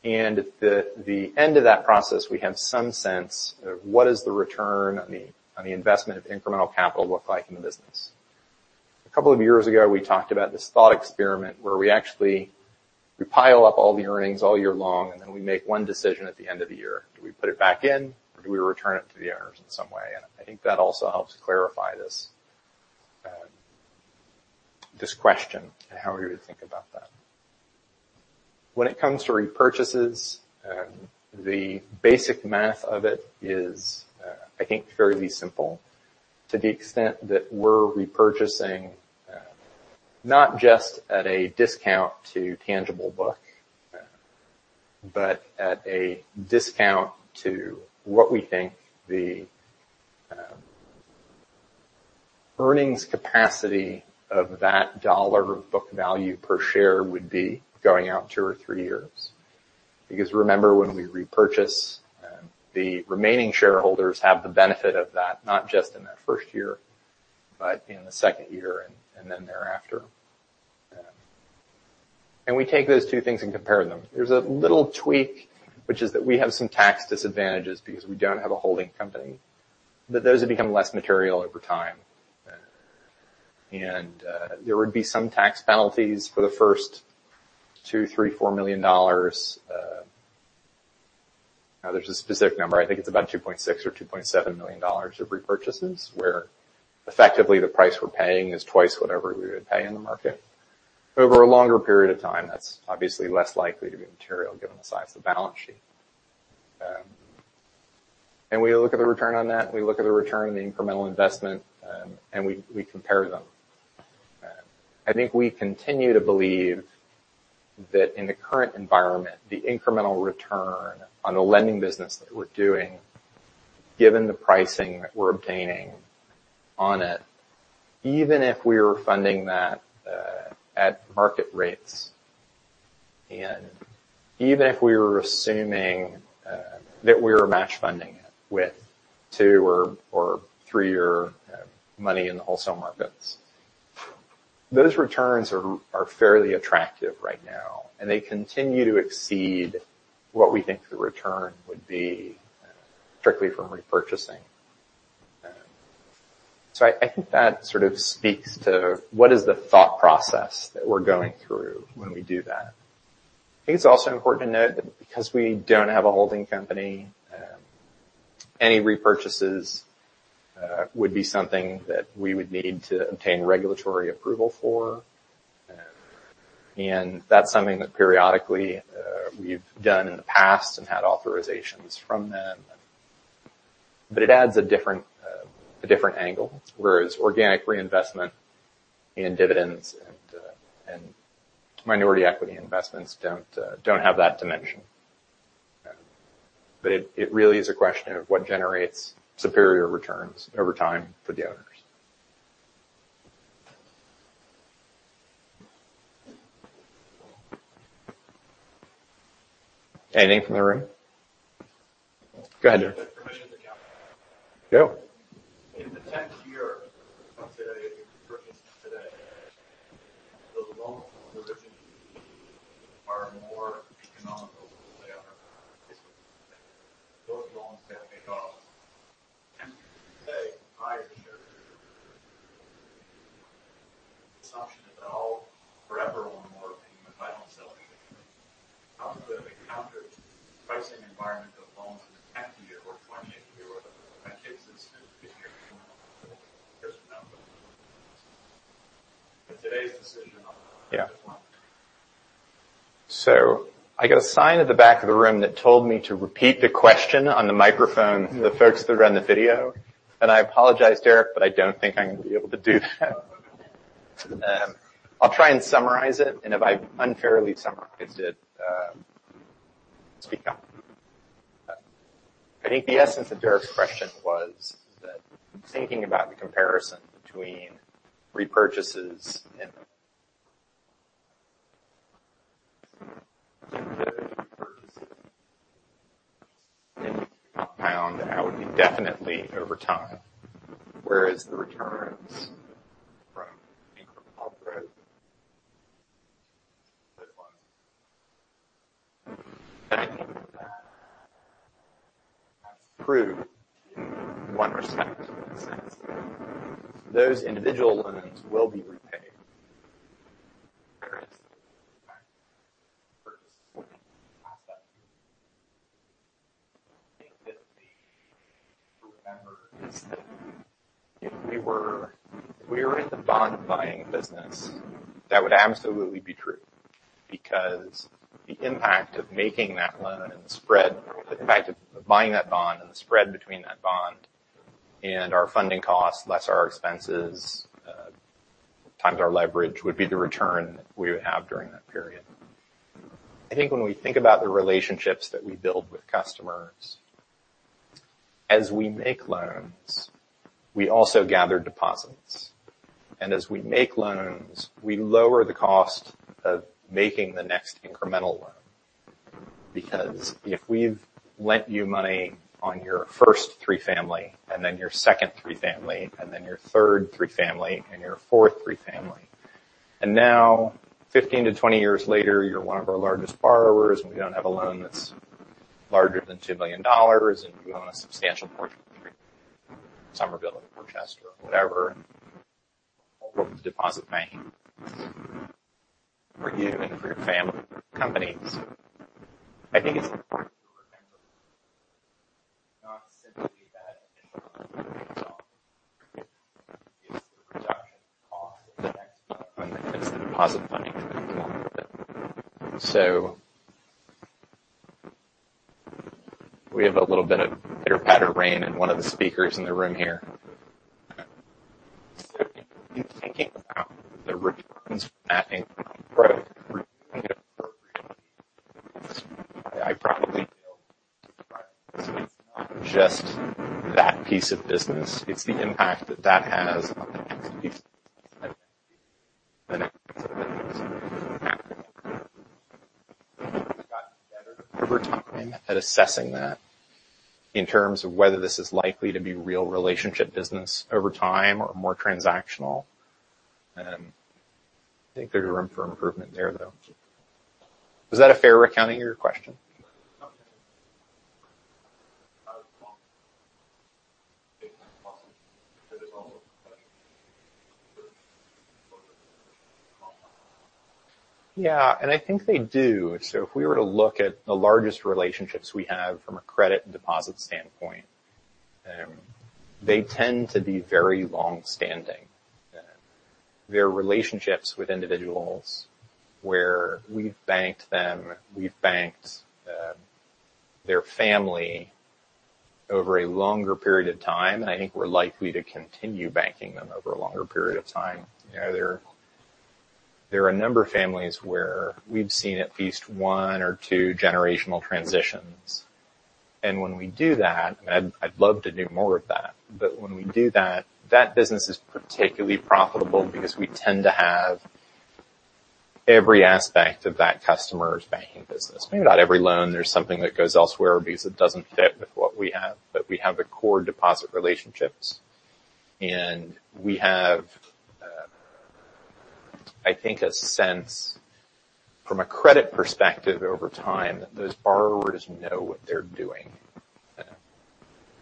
And at the end of that process, we have some sense of what is the return on the investment of incremental capital look like in the business? A couple of years ago, we talked about this thought experiment where we actually pile up all the earnings all year long, and then we make one decision at the end of the year. Do we put it back in, or do we return it to the owners in some way? And I think that also helps clarify this question and how we would think about that. When it comes to repurchases, the basic math of it is, I think, fairly simple to the extent that we're repurchasing, not just at a discount to tangible book, but at a discount to what we think the earnings capacity of that dollar of book value per share would be going out two or three years. Because remember, when we repurchase, the remaining shareholders have the benefit of that, not just in that first year, but in the second year and then thereafter. And we take those two things and compare them. There's a little tweak, which is that we have some tax disadvantages because we don't have a holding company, but those have become less material over time. And, there would be some tax penalties for the first $2, $3, $4 million. There's a specific number. I think it's about $2.6 million or $2.7 million of repurchases, where effectively the price we're paying is twice whatever we would pay in the market. Over a longer period of time, that's obviously less likely to be material given the size of the balance sheet. And we look at the return on that, we look at the return on the incremental investment, and we compare them. I think we continue to believe that in the current environment, the incremental return on the lending business that we're doing, given the pricing that we're obtaining on it, even if we were funding that at market rates, and even if we were assuming that we were match funding it with two or three-year money in the wholesale markets. Those returns are fairly attractive right now, and they continue to exceed what we think the return would be strictly from repurchasing. So I think that sort of speaks to what is the thought process that we're going through when we do that. I think it's also important to note that because we don't have a holding company, any repurchases would be something that we would need to obtain regulatory approval for, and that's something that periodically we've done in the past and had authorizations from them. But it adds a different angle, whereas organic reinvestment in dividends and minority equity investments don't have that dimension. But it really is a question of what generates superior returns over time for the owners. Anything from the room? Go ahead. Permission to count. Go. In the 10th year, let's say, repurchases today, the loans originally are more economical than they are. Those loans can take off. And say, I assume the assumption that I'll forever own more if I don't sell anything. How does the current pricing environment of loans in the tenth year or twentieth year, or that exists in 50 years from now? But today's decision on. Yeah. So I got a sign at the back of the room that told me to repeat the question on the microphone, the folks that are on the video. And I apologize, Derek, but I don't think I'm going to be able to do that. I'll try and summarize it, and if I unfairly summarize it, speak up. I think the essence of Derek's question was that thinking about the comparison between repurchases and compounding out indefinitely over time, whereas the returns from incremental growth, those ones. I think, approve in one respect, in a sense. Those individual loans will be repaid. Whereas purchase asset. I think that the thing to remember is that if we were in the bond buying business, that would absolutely be true, because the impact of making that loan and the spread, the impact of buying that bond and the spread between that bond and our funding costs, less our expenses, times our leverage, would be the return we would have during that period. I think when we think about the relationships that we build with customers, as we make loans, we also gather deposits. And as we make loans, we lower the cost of making the next incremental loan. Because if we've lent you money on your first three-family, and then your second three-family, and then your third three-family, and your fourth three-family, and now 15-20 years later, you're one of our largest borrowers, and we don't have a loan that's larger than $2 million, and you own a substantial portfolio, Somerville, or Dorchester, or whatever, deposit banking for you and for your family companies. I think it's not simply that it's the production cost of the next loan, it's the deposit funding. So we have a little bit of pitter-patter rain in one of the speakers in the room here. So in thinking about the returns from that growth, I probably feel it's not just that piece of business, it's the impact that that has on the next piece of business. We've gotten better over time at assessing that in terms of whether this is likely to be real relationship business over time or more transactional. I think there's room for improvement there, though. Was that a fair accounting of your question? Okay. Yeah, and I think they do. So if we were to look at the largest relationships we have from a credit and deposit standpoint, they tend to be very long-standing. Their relationships with individuals where we've banked them, we've banked their family over a longer period of time, and I think we're likely to continue banking them over a longer period of time. You know, there are a number of families where we've seen at least one or two generational transitions. And when we do that, I'd love to do more of that, but when we do that, that business is particularly profitable because we tend to have every aspect of that customer's banking business. Maybe not every loan, there's something that goes elsewhere because it doesn't fit with what we have, but we have the core deposit relationships. And we have, I think, a sense from a credit perspective over time, that those borrowers know what they're doing.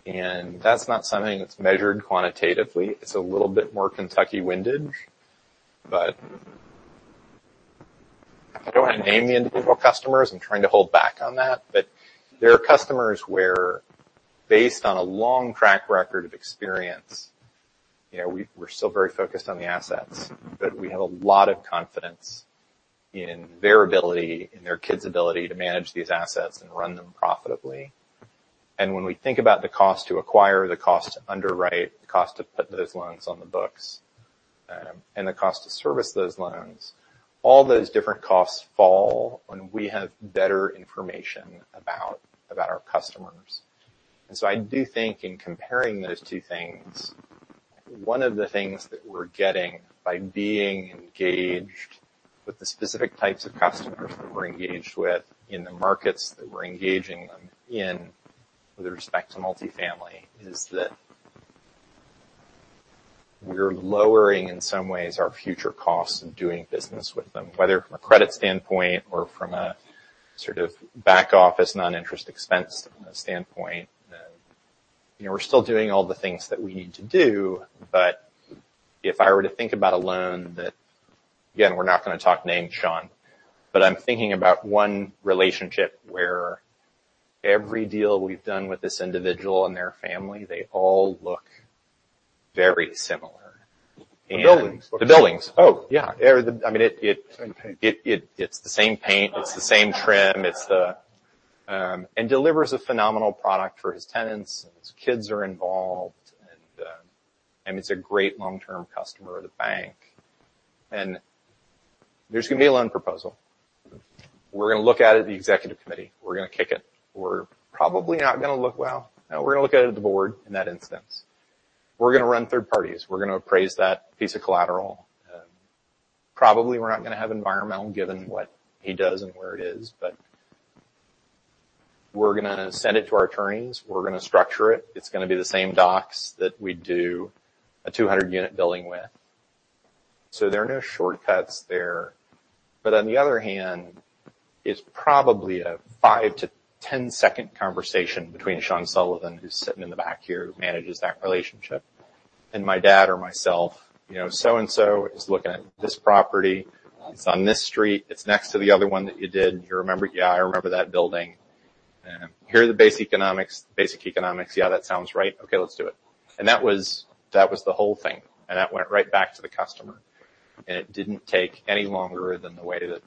And that's not something that's measured quantitatively. It's a little bit more Kentucky windage, but I don't want to name the individual customers. I'm trying to hold back on that, but there are customers where, based on a long track record of experience. You know, we're still very focused on the assets, but we have a lot of confidence in their ability, in their kids' ability to manage these assets and run them profitably. And when we think about the cost to acquire, the cost to underwrite, the cost to put those loans on the books, and the cost to service those loans, all those different costs fall when we have better information about our customers. And so I do think in comparing those two things, one of the things that we're getting by being engaged with the specific types of customers that we're engaged with in the markets that we're engaging them in, with respect to multifamily, is that we're lowering, in some ways, our future costs of doing business with them. Whether from a credit standpoint or from a sort of back-office, non-interest expense standpoint. You know, we're still doing all the things that we need to do, but if I were to think about a loan tha. Again, we're not gonna talk names, Sean. But I'm thinking about one relationship where every deal we've done with this individual and their family, they all look very similar. The buildings. The buildings. Oh, yeah. I mean, it. Same paint. It's the same paint, it's the same trim, it's the. And delivers a phenomenal product for his tenants, and his kids are involved, and he's a great long-term customer of the bank. And there's gonna be a loan proposal. We're gonna look at it, the executive committee, we're gonna kick it. We're probably not gonna look well. Now, we're gonna look at it at the board in that instance. We're gonna run third parties. We're gonna appraise that piece of collateral. Probably we're not gonna have environmental, given what he does and where it is, but we're gonna send it to our attorneys, we're gonna structure it. It's gonna be the same docs that we do a 200-unit building with. So there are no shortcuts there. But on the other hand, it's probably a five to 10-second conversation between Sean Sullivan, who's sitting in the back here, who manages that relationship, and my dad or myself. You know, "So-and-so is looking at this property. It's on this street. It's next to the other one that you did. You remember?" "Yeah, I remember that building." "Here are the base economics, basic economics." "Yeah, that sounds right. Okay, let's do it." And that was the whole thing, and that went right back to the customer. And it didn't take any longer than the way that...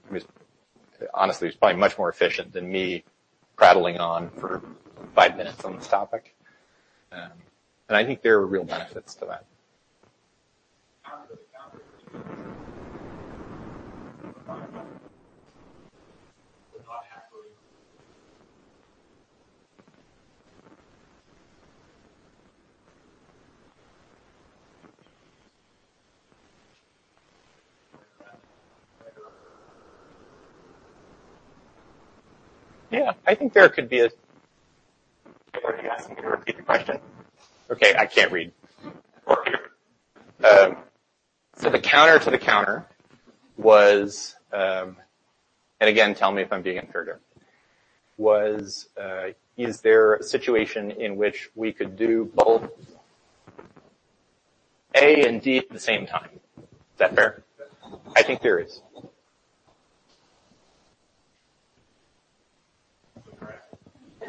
Honestly, it's probably much more efficient than me prattling on for five minutes on this topic. And I think there are real benefits to that. Yeah, I think there could be a. Can you ask me to repeat the question? Okay, I can't read. So the counter to the counter was. And again, tell me if I'm being unfair here. Is there a situation in which we could do both A and D at the same time? Is that fair? Yes. I think there is. Correct.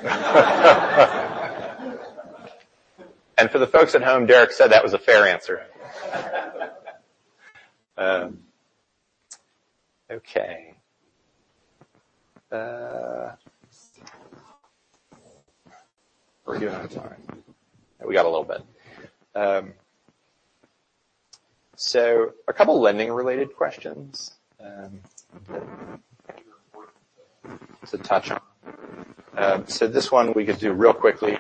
And for the folks at home, Derek said that was a fair answer. Okay. We're getting out of time. We got a little bit. So a couple of lending-related questions, to touch on. So this one we could do real quickly.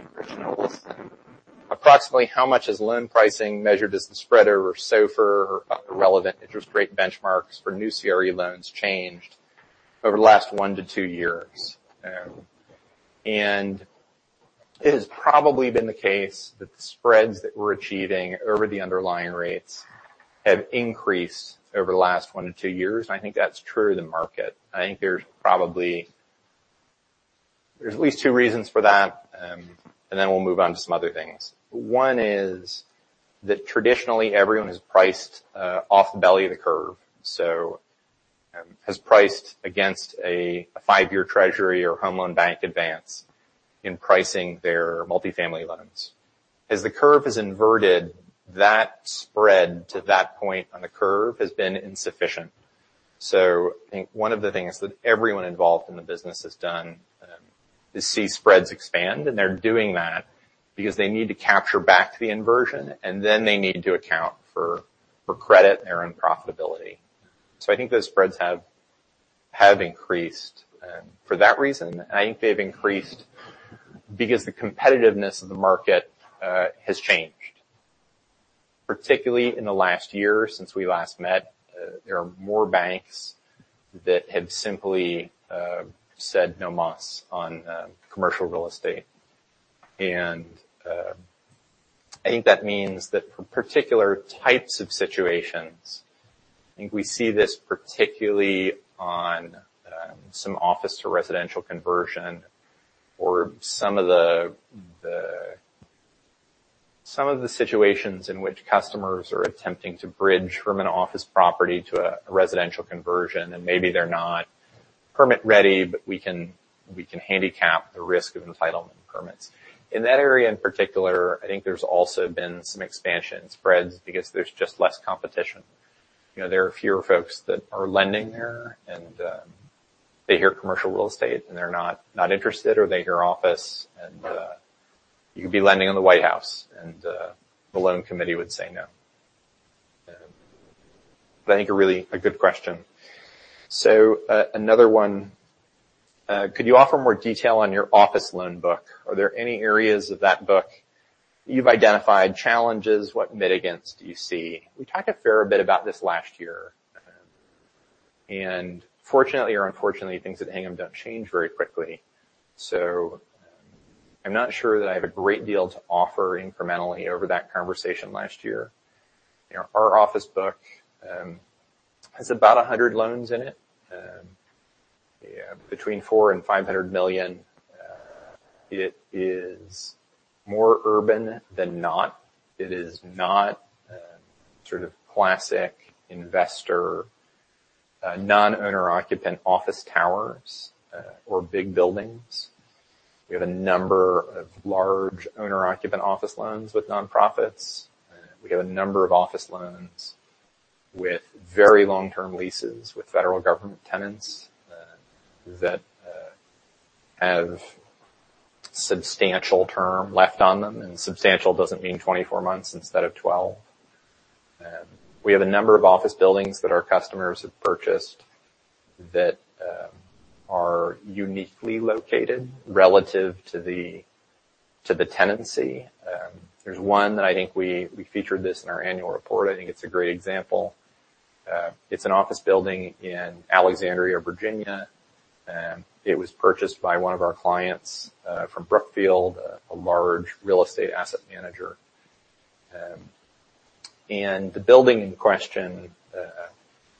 Approximately how much has loan pricing measured as the spread over SOFR or relevant interest rate benchmarks for new CRE loans changed over the last one-to-two years? And it has probably been the case that the spreads that we're achieving over the underlying rates have increased over the last one-to-two years. I think that's true in the market. I think there's probably. There's at least two reasons for that, and then we'll move on to some other things. One is that traditionally, everyone has priced off the belly of the curve, so has priced against a five-year treasury or home loan bank advance in pricing their multifamily loans. As the curve is inverted, that spread to that point on the curve has been insufficient. So I think one of the things that everyone involved in the business has done is see spreads expand, and they're doing that because they need to capture back to the inversion, and then they need to account for credit and their own profitability. So I think those spreads have increased for that reason. I think they've increased because the competitiveness of the market has changed. Particularly in the last year since we last met, there are more banks that have simply said, "No mas," on commercial real estate. I think that means that for particular types of situations, I think we see this particularly on some office to residential conversion or some of the situations in which customers are attempting to bridge from an office property to a residential conversion, and maybe they're not permit ready, but we can handicap the risk of entitlement permits. In that area, in particular, I think there's also been some expansion spreads because there's just less competition. You know, there are fewer folks that are lending there, and they hear commercial real estate, and they're not interested, or they hear office, and you could be lending on the White House, and the loan committee would say, "No." But I think a really good question. So, another one: Could you offer more detail on your office loan book? Are there any areas of that book you've identified challenges? What mitigants do you see? We talked a fair bit about this last year. Fortunately or unfortunately, things at Hingham don't change very quickly. I'm not sure that I have a great deal to offer incrementally over that conversation last year. You know, our office book has about 100 loans in it, between $400 million-$500 million. It is more urban than not. It is not sort of classic investor non-owner occupant office towers or big buildings. We have a number of large owner occupant office loans with nonprofits. We have a number of office loans with very long-term leases, with federal government tenants, that have substantial term left on them, and substantial doesn't mean 24 months instead of 12. We have a number of office buildings that our customers have purchased that are uniquely located relative to the tenancy. There's one that I think we featured this in our annual report. I think it's a great example. It's an office building in Alexandria, Virginia, it was purchased by one of our clients from Brookfield, a large real estate asset manager. And the building in question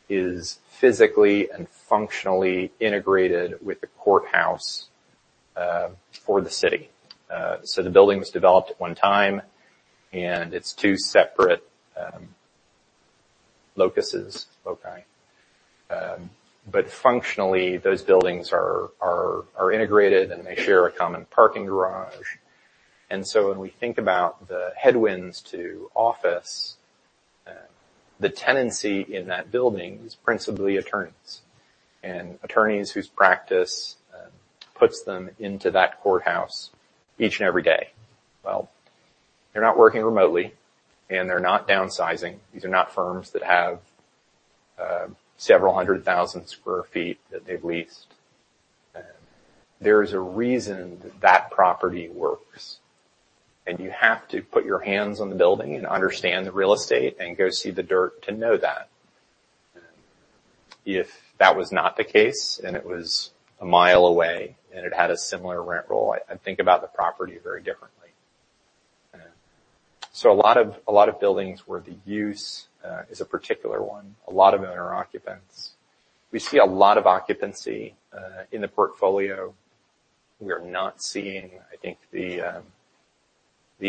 is physically and functionally integrated with the courthouse for the city. So the building was developed at one time, and it's two separate locuses, loci. But functionally, those buildings are integrated, and they share a common parking garage. So when we think about the headwinds to office, the tenancy in that building is principally attorneys. And attorneys whose practice puts them into that courthouse each and every day. Well, they're not working remotely, and they're not downsizing. These are not firms that have several hundred thousand sq ft that they've leased. There is a reason that property works, and you have to put your hands on the building and understand the real estate and go see the dirt to know that. If that was not the case, and it was a mile away, and it had a similar rent roll, I'd think about the property very differently. So a lot of, a lot of buildings where the use is a particular one, a lot of owner occupants. We see a lot of occupancy in the portfolio. We are not seeing, I think, the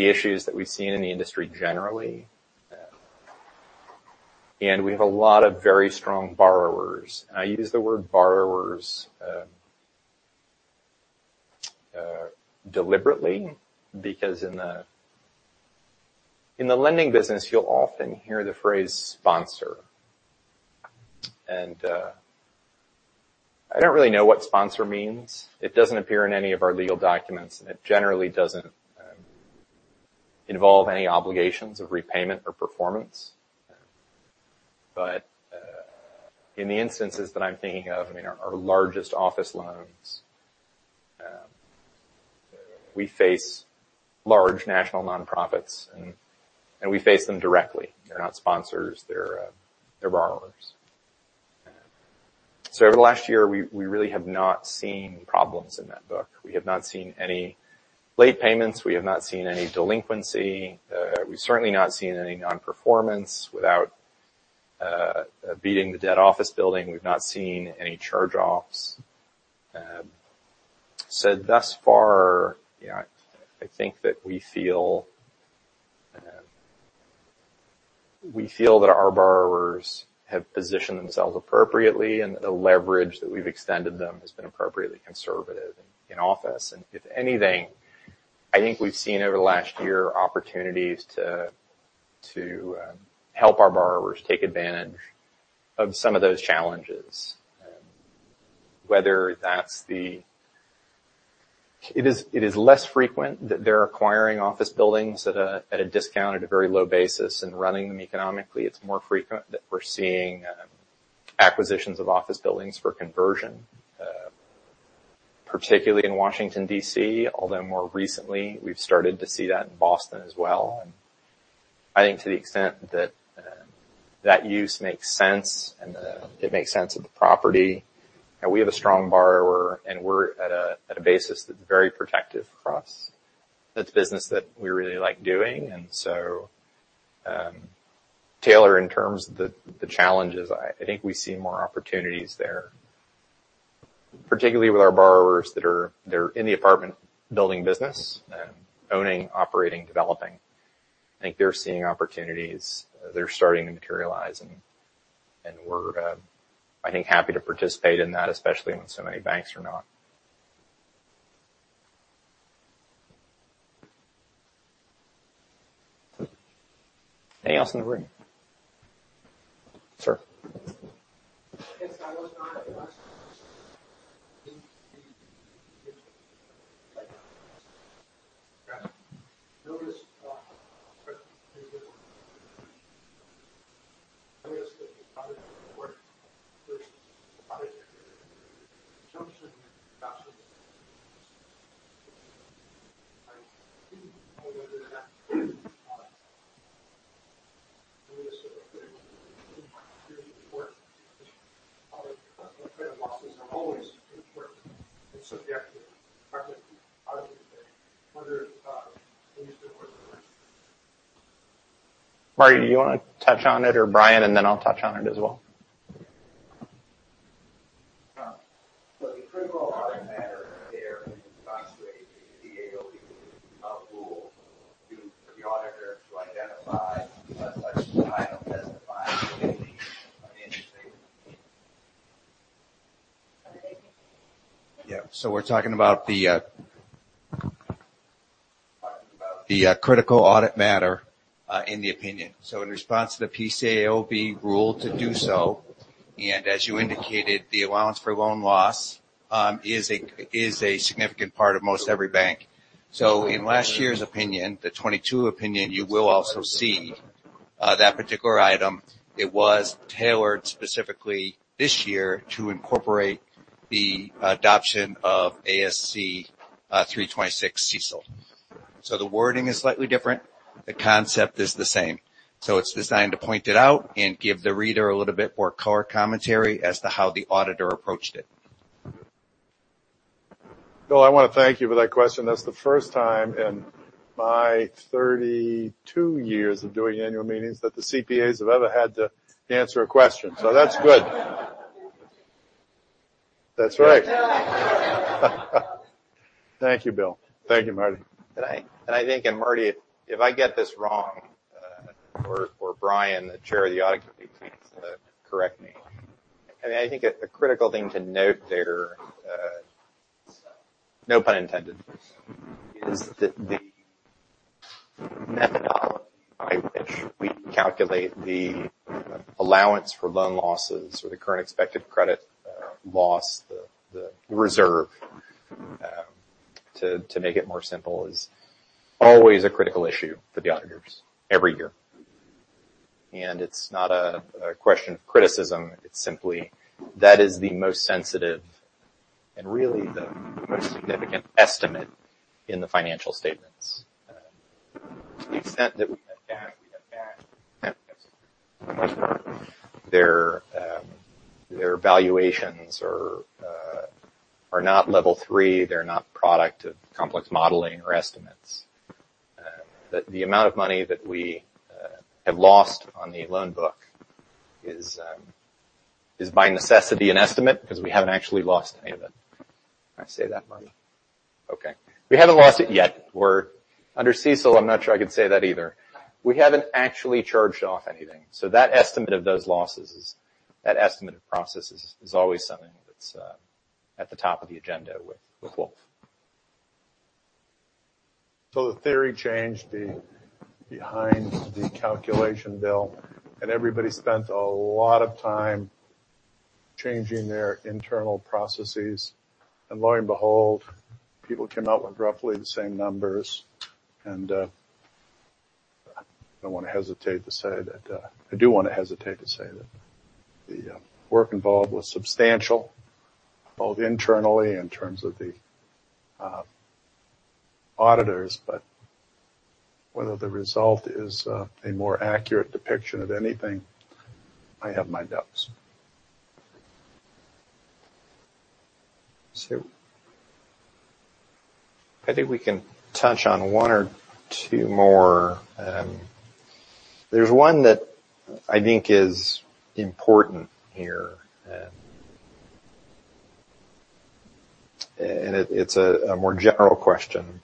issues that we've seen in the industry generally. And we have a lot of very strong borrowers. I use the word borrowers deliberately, because in the lending business, you'll often hear the phrase sponsor. And I don't really know what sponsor means. It doesn't appear in any of our legal documents. It generally doesn't involve any obligations of repayment or performance. But in the instances that I'm thinking of, I mean, our largest office loans, we face large national nonprofits, and we face them directly. They're not sponsors, they're borrowers. So over the last year, we really have not seen problems in that book. We have not seen any late payments. We have not seen any delinquency. We've certainly not seen any non-performance without beating the dead office building. We've not seen any charge-offs. So thus far, you know, I think that we feel that our borrowers have positioned themselves appropriately and the leverage that we've extended them has been appropriately conservative in office. And if anything, I think we've seen over the last year opportunities to help our borrowers take advantage of some of those challenges. Whether that's the. It is less frequent that they're acquiring office buildings at a discount, at a very low basis and running them economically. It's more frequent that we're seeing acquisitions of office buildings for conversion, particularly in Washington, D.C., although more recently, we've started to see that in Boston as well. I think to the extent that that use makes sense and it makes sense of the property, and we have a strong borrower, and we're at a basis that's very protective for us. That's business that we really like doing, and so, Taylor, in terms of the challenges, I think we see more opportunities there, particularly with our borrowers that are they're in the apartment building business, owning, operating, developing. I think they're seeing opportunities. They're starting to materialize, and we're I think happy to participate in that, especially when so many banks are not. Anything else in the room? Sir. Yes, I was not at last. Notice, losses are always important and subjective. I wonder if you still work with them. Marty, do you want to touch on it or Brian, and then I'll touch on it as well? The critical audit matter there illustrates the role of the rule for the auditor to identify such kind of testing financial statement. So we're talking about the critical audit matter in the opinion. So in response to the PCAOB rule to do so, and as you indicated, the allowance for loan loss is a significant part of most every bank. So in last year's opinion, the 2022 opinion, you will also see that particular item. It was tailored specifically this year to incorporate the adoption of ASC 326 CECL. So the wording is slightly different, the concept is the same. So it's designed to point it out and give the reader a little bit more color commentary as to how the auditor approached it. Bill, I want to thank you for that question. That's the first time in my 32 years of doing annual meetings that the CPAs have ever had to answer a question. So that's good. That's right. Thank you, Bill. Thank you, Marty. And I think, Marty, if I get this wrong, or Brian, the chair of the Audit Committee, please, correct me. I mean, I think a critical thing to note there, no pun intended, is that the methodology by which we calculate the allowance for loan losses or the current expected credit loss, the reserve, to make it more simple, is always a critical issue for the auditors every year. And it's not a question of criticism, it's simply that is the most sensitive and really the most significant estimate in the financial statements. To the extent that we have cash, we have cash. Their valuations are not Level 3, they're not product of complex modeling or estimates. That the amount of money that we have lost on the loan book is by necessity an estimate, because we haven't actually lost any of it. Can I say that, Marty? Okay. We haven't lost it yet. We're under CECL. I'm not sure I could say that either. We haven't actually charged off anything. So that estimate of those losses is that estimate of processes is always something that's at the top of the agenda with Wolf. So the theory changed the behind the calculation bill, and everybody spent a lot of time changing their internal processes, and lo and behold, people came out with roughly the same numbers. And I don't want to hesitate to say that. I do want to hesitate to say that the work involved was substantial, both internally in terms of the auditors, but whether the result is a more accurate depiction of anything, I have my doubts. So I think we can touch on one or two more. There's one that I think is important here, and it's a more general question.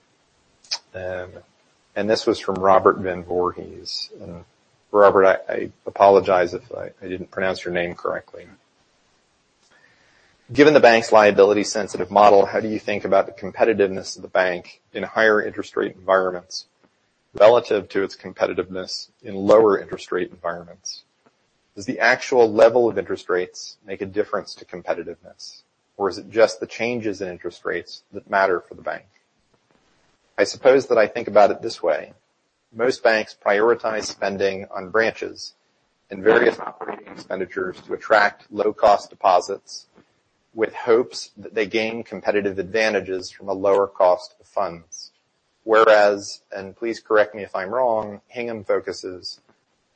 And this was from Robert Van Voorhis. Robert, I apologize if I didn't pronounce your name correctly. Given the bank's liability sensitive model, how do you think about the competitiveness of the bank in higher interest rate environments relative to its competitiveness in lower interest rate environments? Does the actual level of interest rates make a difference to competitiveness, or is it just the changes in interest rates that matter for the bank? I suppose that I think about it this way: Most banks prioritize spending on branches and various operating expenditures to attract low-cost deposits with hopes that they gain competitive advantages from a lower cost of funds. Whereas, and please correct me if I'm wrong, Hingham focuses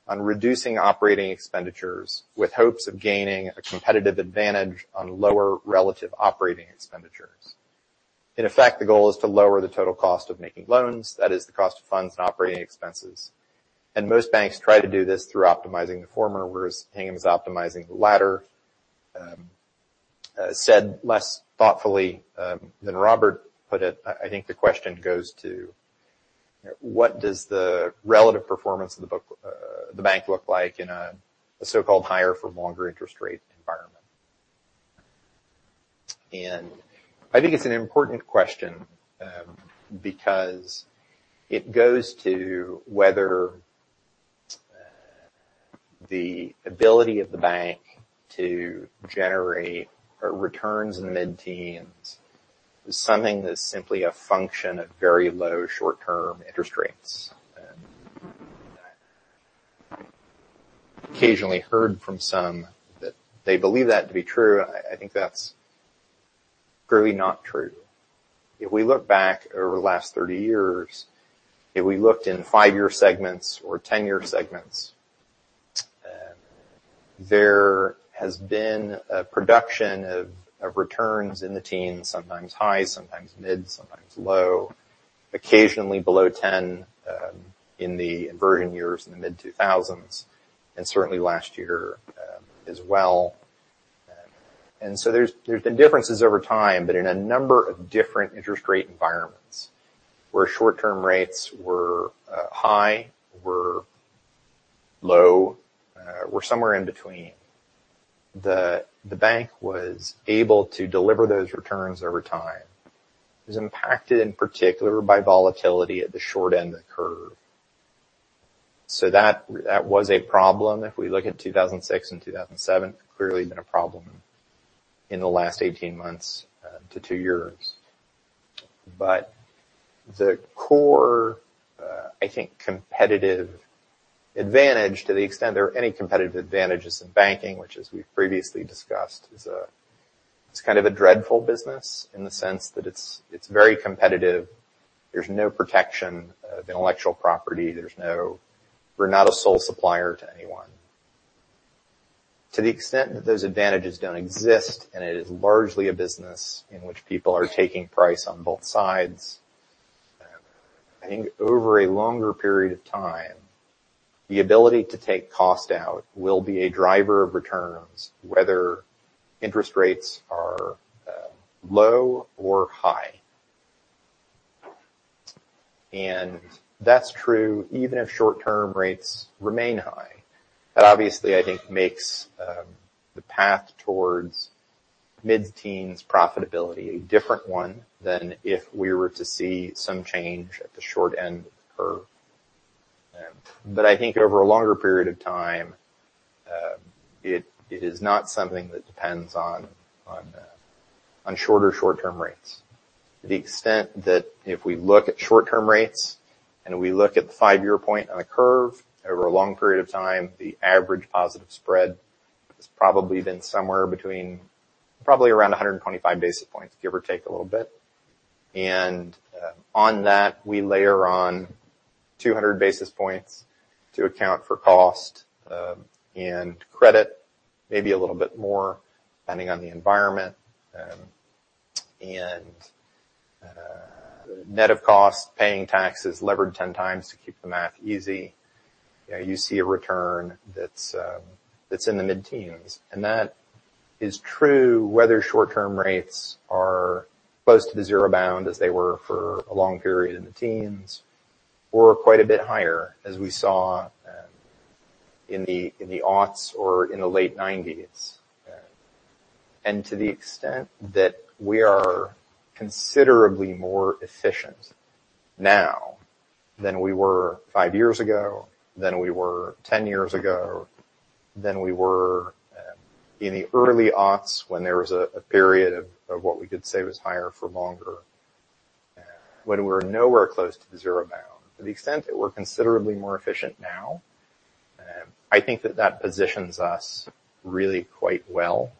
on reducing operating expenditures with hopes of gaining a competitive advantage on lower relative operating expenditures. In effect, the goal is to lower the total cost of making loans, that is the cost of funds and operating expenses. And most banks try to do this through optimizing the former, whereas Hingham is optimizing the latter. Said less thoughtfully than Robert put it. I, I think the question goes to, what does the relative performance of the book, the bank look like in a so-called higher for longer interest rate environment? And I think it's an important question, because it goes to whether the ability of the bank to generate returns in the mid-teens is something that's simply a function of very low short-term interest rates. Occasionally heard from some that they believe that to be true. I think that's clearly not true. If we look back over the last 30 years, if we looked in five-year segments or 10-year segments, there has been a production of returns in the teens, sometimes high, sometimes mid, sometimes low. Occasionally below ten, in the inversion years in the mid-2000s, and certainly last year, as well. And so there's been differences over time, but in a number of different interest rate environments, where short-term rates were high, were low, were somewhere in between. The bank was able to deliver those returns over time. It was impacted, in particular, by volatility at the short end of the curve. So that was a problem. If we look at 2006 and 2007, clearly been a problem in the last 18 months to 2 years. But the core, I think, competitive advantage, to the extent there are any competitive advantages in banking, which as we've previously discussed, is, it's kind of a dreadful business, in the sense that it's, it's very competitive. There's no protection of intellectual property. There's no. We're not a sole supplier to anyone. To the extent that those advantages don't exist, and it is largely a business in which people are taking price on both sides, I think over a longer period of time, the ability to take cost out will be a driver of returns, whether interest rates are low or high. And that's true even if short-term rates remain high. That obviously, I think, makes the path towards mid-teens profitability a different one than if we were to see some change at the short end of the curve. But I think over a longer period of time, it is not something that depends on shorter short-term rates. To the extent that if we look at short-term rates and we look at the five-year point on the curve over a long period of time, the average positive spread has probably been somewhere between probably around 125 basis points, give or take a little bit. And on that, we layer on two hundred basis points to account for cost and credit, maybe a little bit more, depending on the environment, and net of cost, paying taxes levered ten times to keep the math easy. You see a return that's in the mid-teens. And that is true, whether short-term rates are close to the zero bound as they were for a long period in the teens, or quite a bit higher as we saw in the aughts or in the late 90s. And to the extent that we are considerably more efficient now than we were five years ago, than we were 10 years ago, than we were in the early aughts when there was a period of what we could say was higher for longer. When we were nowhere close to the zero bound. To the extent that we're considerably more efficient now, I think that that positions us really quite well.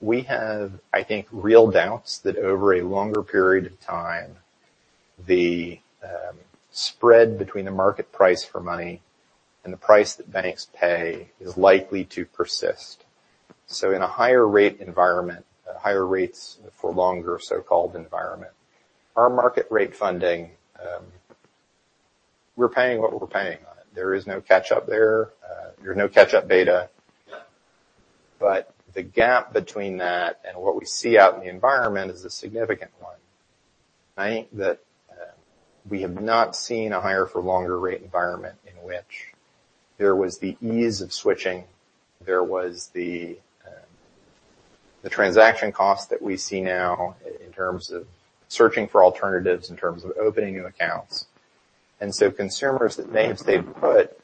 We have, I think, real doubts that over a longer period of time, the spread between the market price for money and the price that banks pay is likely to persist. So in a higher rate environment, higher rates for longer so-called environment, our market rate funding, we're paying what we're paying on it. There is no catch up there, there's no catch-up beta. But the gap between that and what we see out in the environment is a significant one. I think that we have not seen a higher for longer rate environment in which there was the ease of switching, there was the transaction cost that we see now in terms of searching for alternatives, in terms of opening new accounts. Consumers that may have stayed put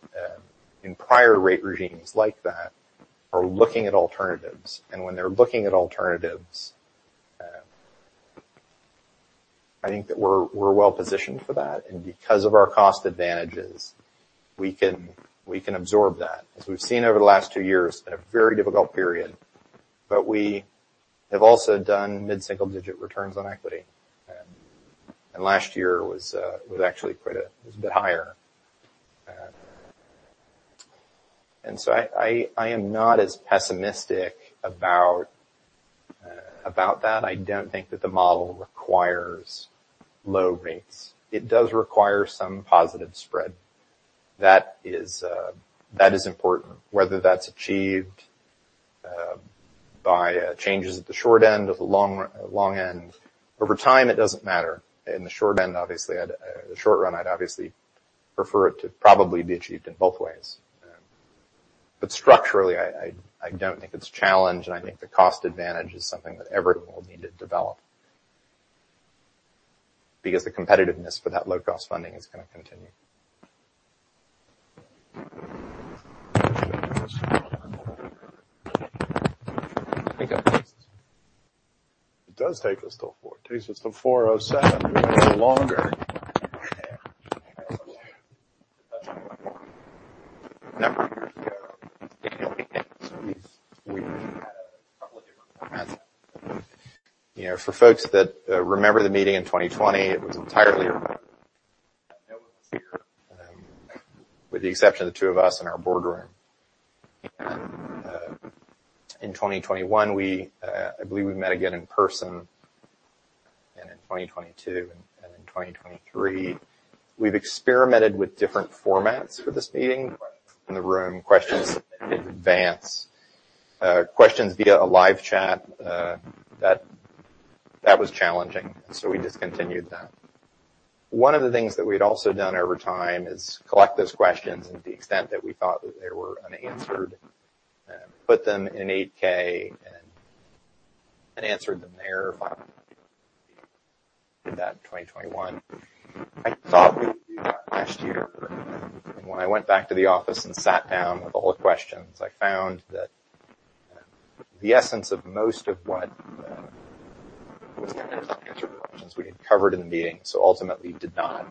in prior rate regimes like that are looking at alternatives. And when they're looking at alternatives, I think that we're well positioned for that. And because of our cost advantages, we can absorb that. As we've seen over the last two years, in a very difficult period, but we have also done mid-single digit returns on equity. And last year was actually quite a bit higher. And so I am not as pessimistic about that. I don't think that the model requires low rates. It does require some positive spread. That is important. Whether that's achieved by changes at the short end or the long end, over time, it doesn't matter. In the short run, obviously, I'd obviously prefer it to probably be achieved in both ways. But structurally, I don't think it's a challenge, and I think the cost advantage is something that everyone will need to develop. Because the competitiveness for that low-cost funding is gonna continue. It does take us till 4:00 P.M. It takes us to 4:07 P.M., a little longer. You know, for folks that remember the meeting in 2020, it was entirely with the exception of the two of us in our boardroom. In 2021, we, I believe we met again in person, and in 2022, and in 2023. We've experimented with different formats for this meeting, in the room, questions in advance, questions via a live chat. That was challenging, so we discontinued that. One of the things that we'd also done over time is collect those questions to the extent that we thought that they were unanswered, put them in 8-K and answered them there. Did that in 2021. I thought we would do that last year, but when I went back to the office and sat down with all the questions, I found that the essence of most of what was kind of we had covered in the meeting, so ultimately did not.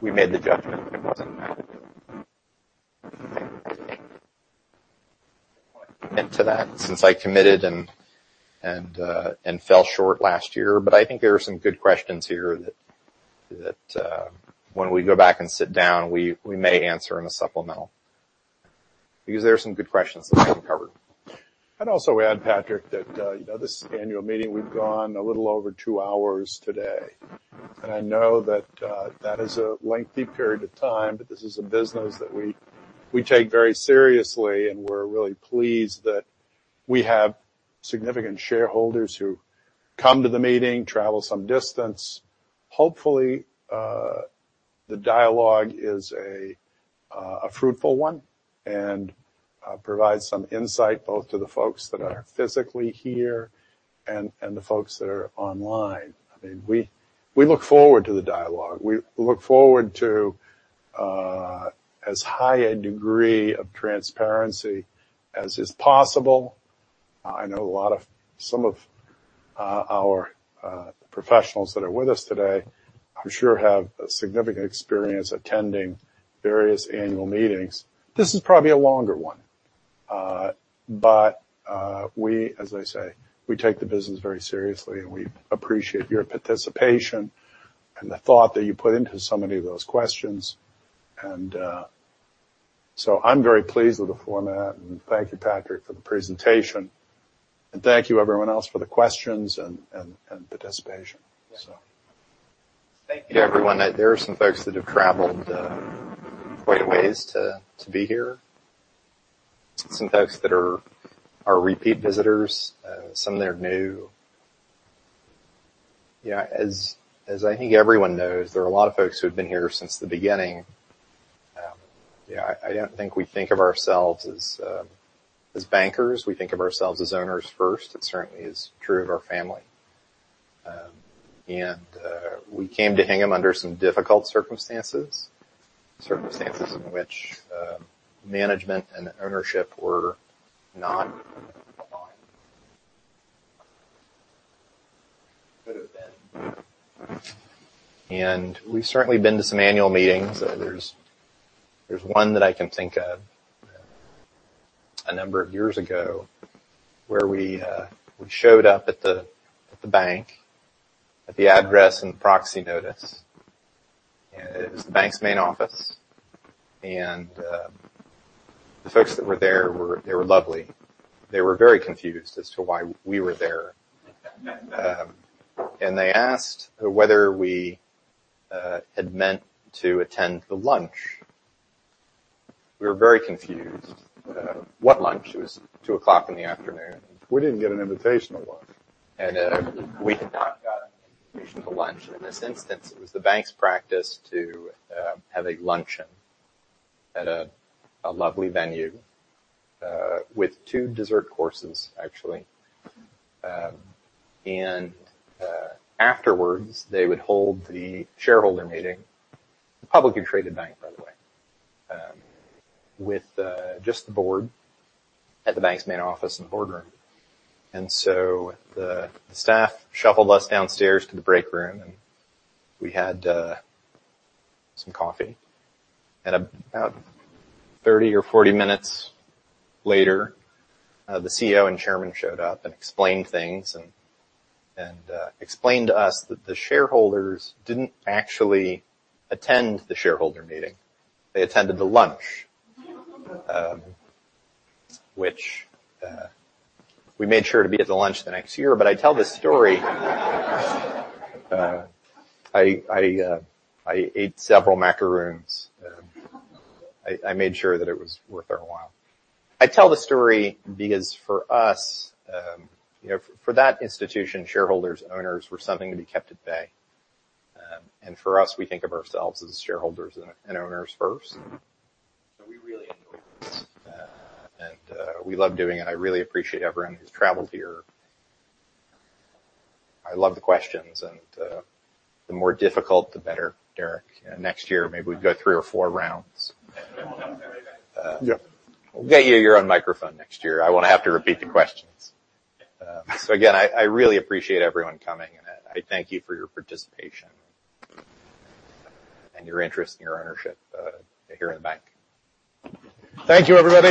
We made the judgment into that since I committed and fell short last year. But I think there are some good questions here that when we go back and sit down, we may answer in a supplemental. Because there are some good questions that we haven't covered. I'd also add, Patrick, that, you know, this annual meeting, we've gone a little over two hours today. And I know that, that is a lengthy period of time, but this is a business that we take very seriously, and we're really pleased that we have significant shareholders who come to the meeting, travel some distance. Hopefully, the dialogue is a fruitful one and provides some insight, both to the folks that are physically here and the folks that are online. I mean, we look forward to the dialogue. We look forward to as high a degree of transparency as is possible. I know some of our professionals that are with us today, I'm sure, have a significant experience attending various annual meetings. This is probably a longer one. But, as I say, we take the business very seriously, and we appreciate your participation and the thought that you put into so many of those questions. I'm very pleased with the format, and thank you, Patrick, for the presentation. Thank you everyone else for the questions and participation. Thank you. Yeah, everyone, there are some folks that have traveled quite a ways to be here. Some folks that are repeat visitors, some that are new. Yeah, as I think everyone knows, there are a lot of folks who have been here since the beginning. Yeah, I don't think we think of ourselves as bankers. We think of ourselves as owners first. It certainly is true of our family. And we came to Hingham under some difficult circumstances. Circumstances in which management and ownership were not fine. Could have been. And we've certainly been to some annual meetings. There's one that I can think of a number of years ago, where we showed up at the bank, at the address and proxy notice, and it was the bank's main office. The folks that were there were lovely. They were very confused as to why we were there. They asked whether we had meant to attend the lunch. We were very confused. What lunch? It was 2:00 P.M. We didn't get an invitation to lunch. We had not got an invitation to lunch. In this instance, it was the bank's practice to have a luncheon at a lovely venue with two dessert courses, actually. Afterwards, they would hold the shareholder meeting, publicly traded bank, by the way, with just the board at the bank's main office in the boardroom. The staff shuffled us downstairs to the break room, and we had some coffee. About thirty or forty minutes later, the CEO and Chairman showed up and explained things and explained to us that the shareholders didn't actually attend the shareholder meeting. They attended the lunch. Which we made sure to be at the lunch the next year. I tell this story. I ate several macaroons. I made sure that it was worth our while. I tell the story because for us, you know, for that institution, shareholders, owners, were something to be kept at bay, and for us, we think of ourselves as shareholders and owners first. So we really enjoy this, and we love doing it. I really appreciate everyone who's traveled here. I love the questions, and the more difficult, the better, Derek. Next year, maybe we'd go three or four rounds. Yeah. We'll get you your own microphone next year. I won't have to repeat the questions, so again, I really appreciate everyone coming, and I thank you for your participation, and your interest, and your ownership here in the bank. Thank you, everybody.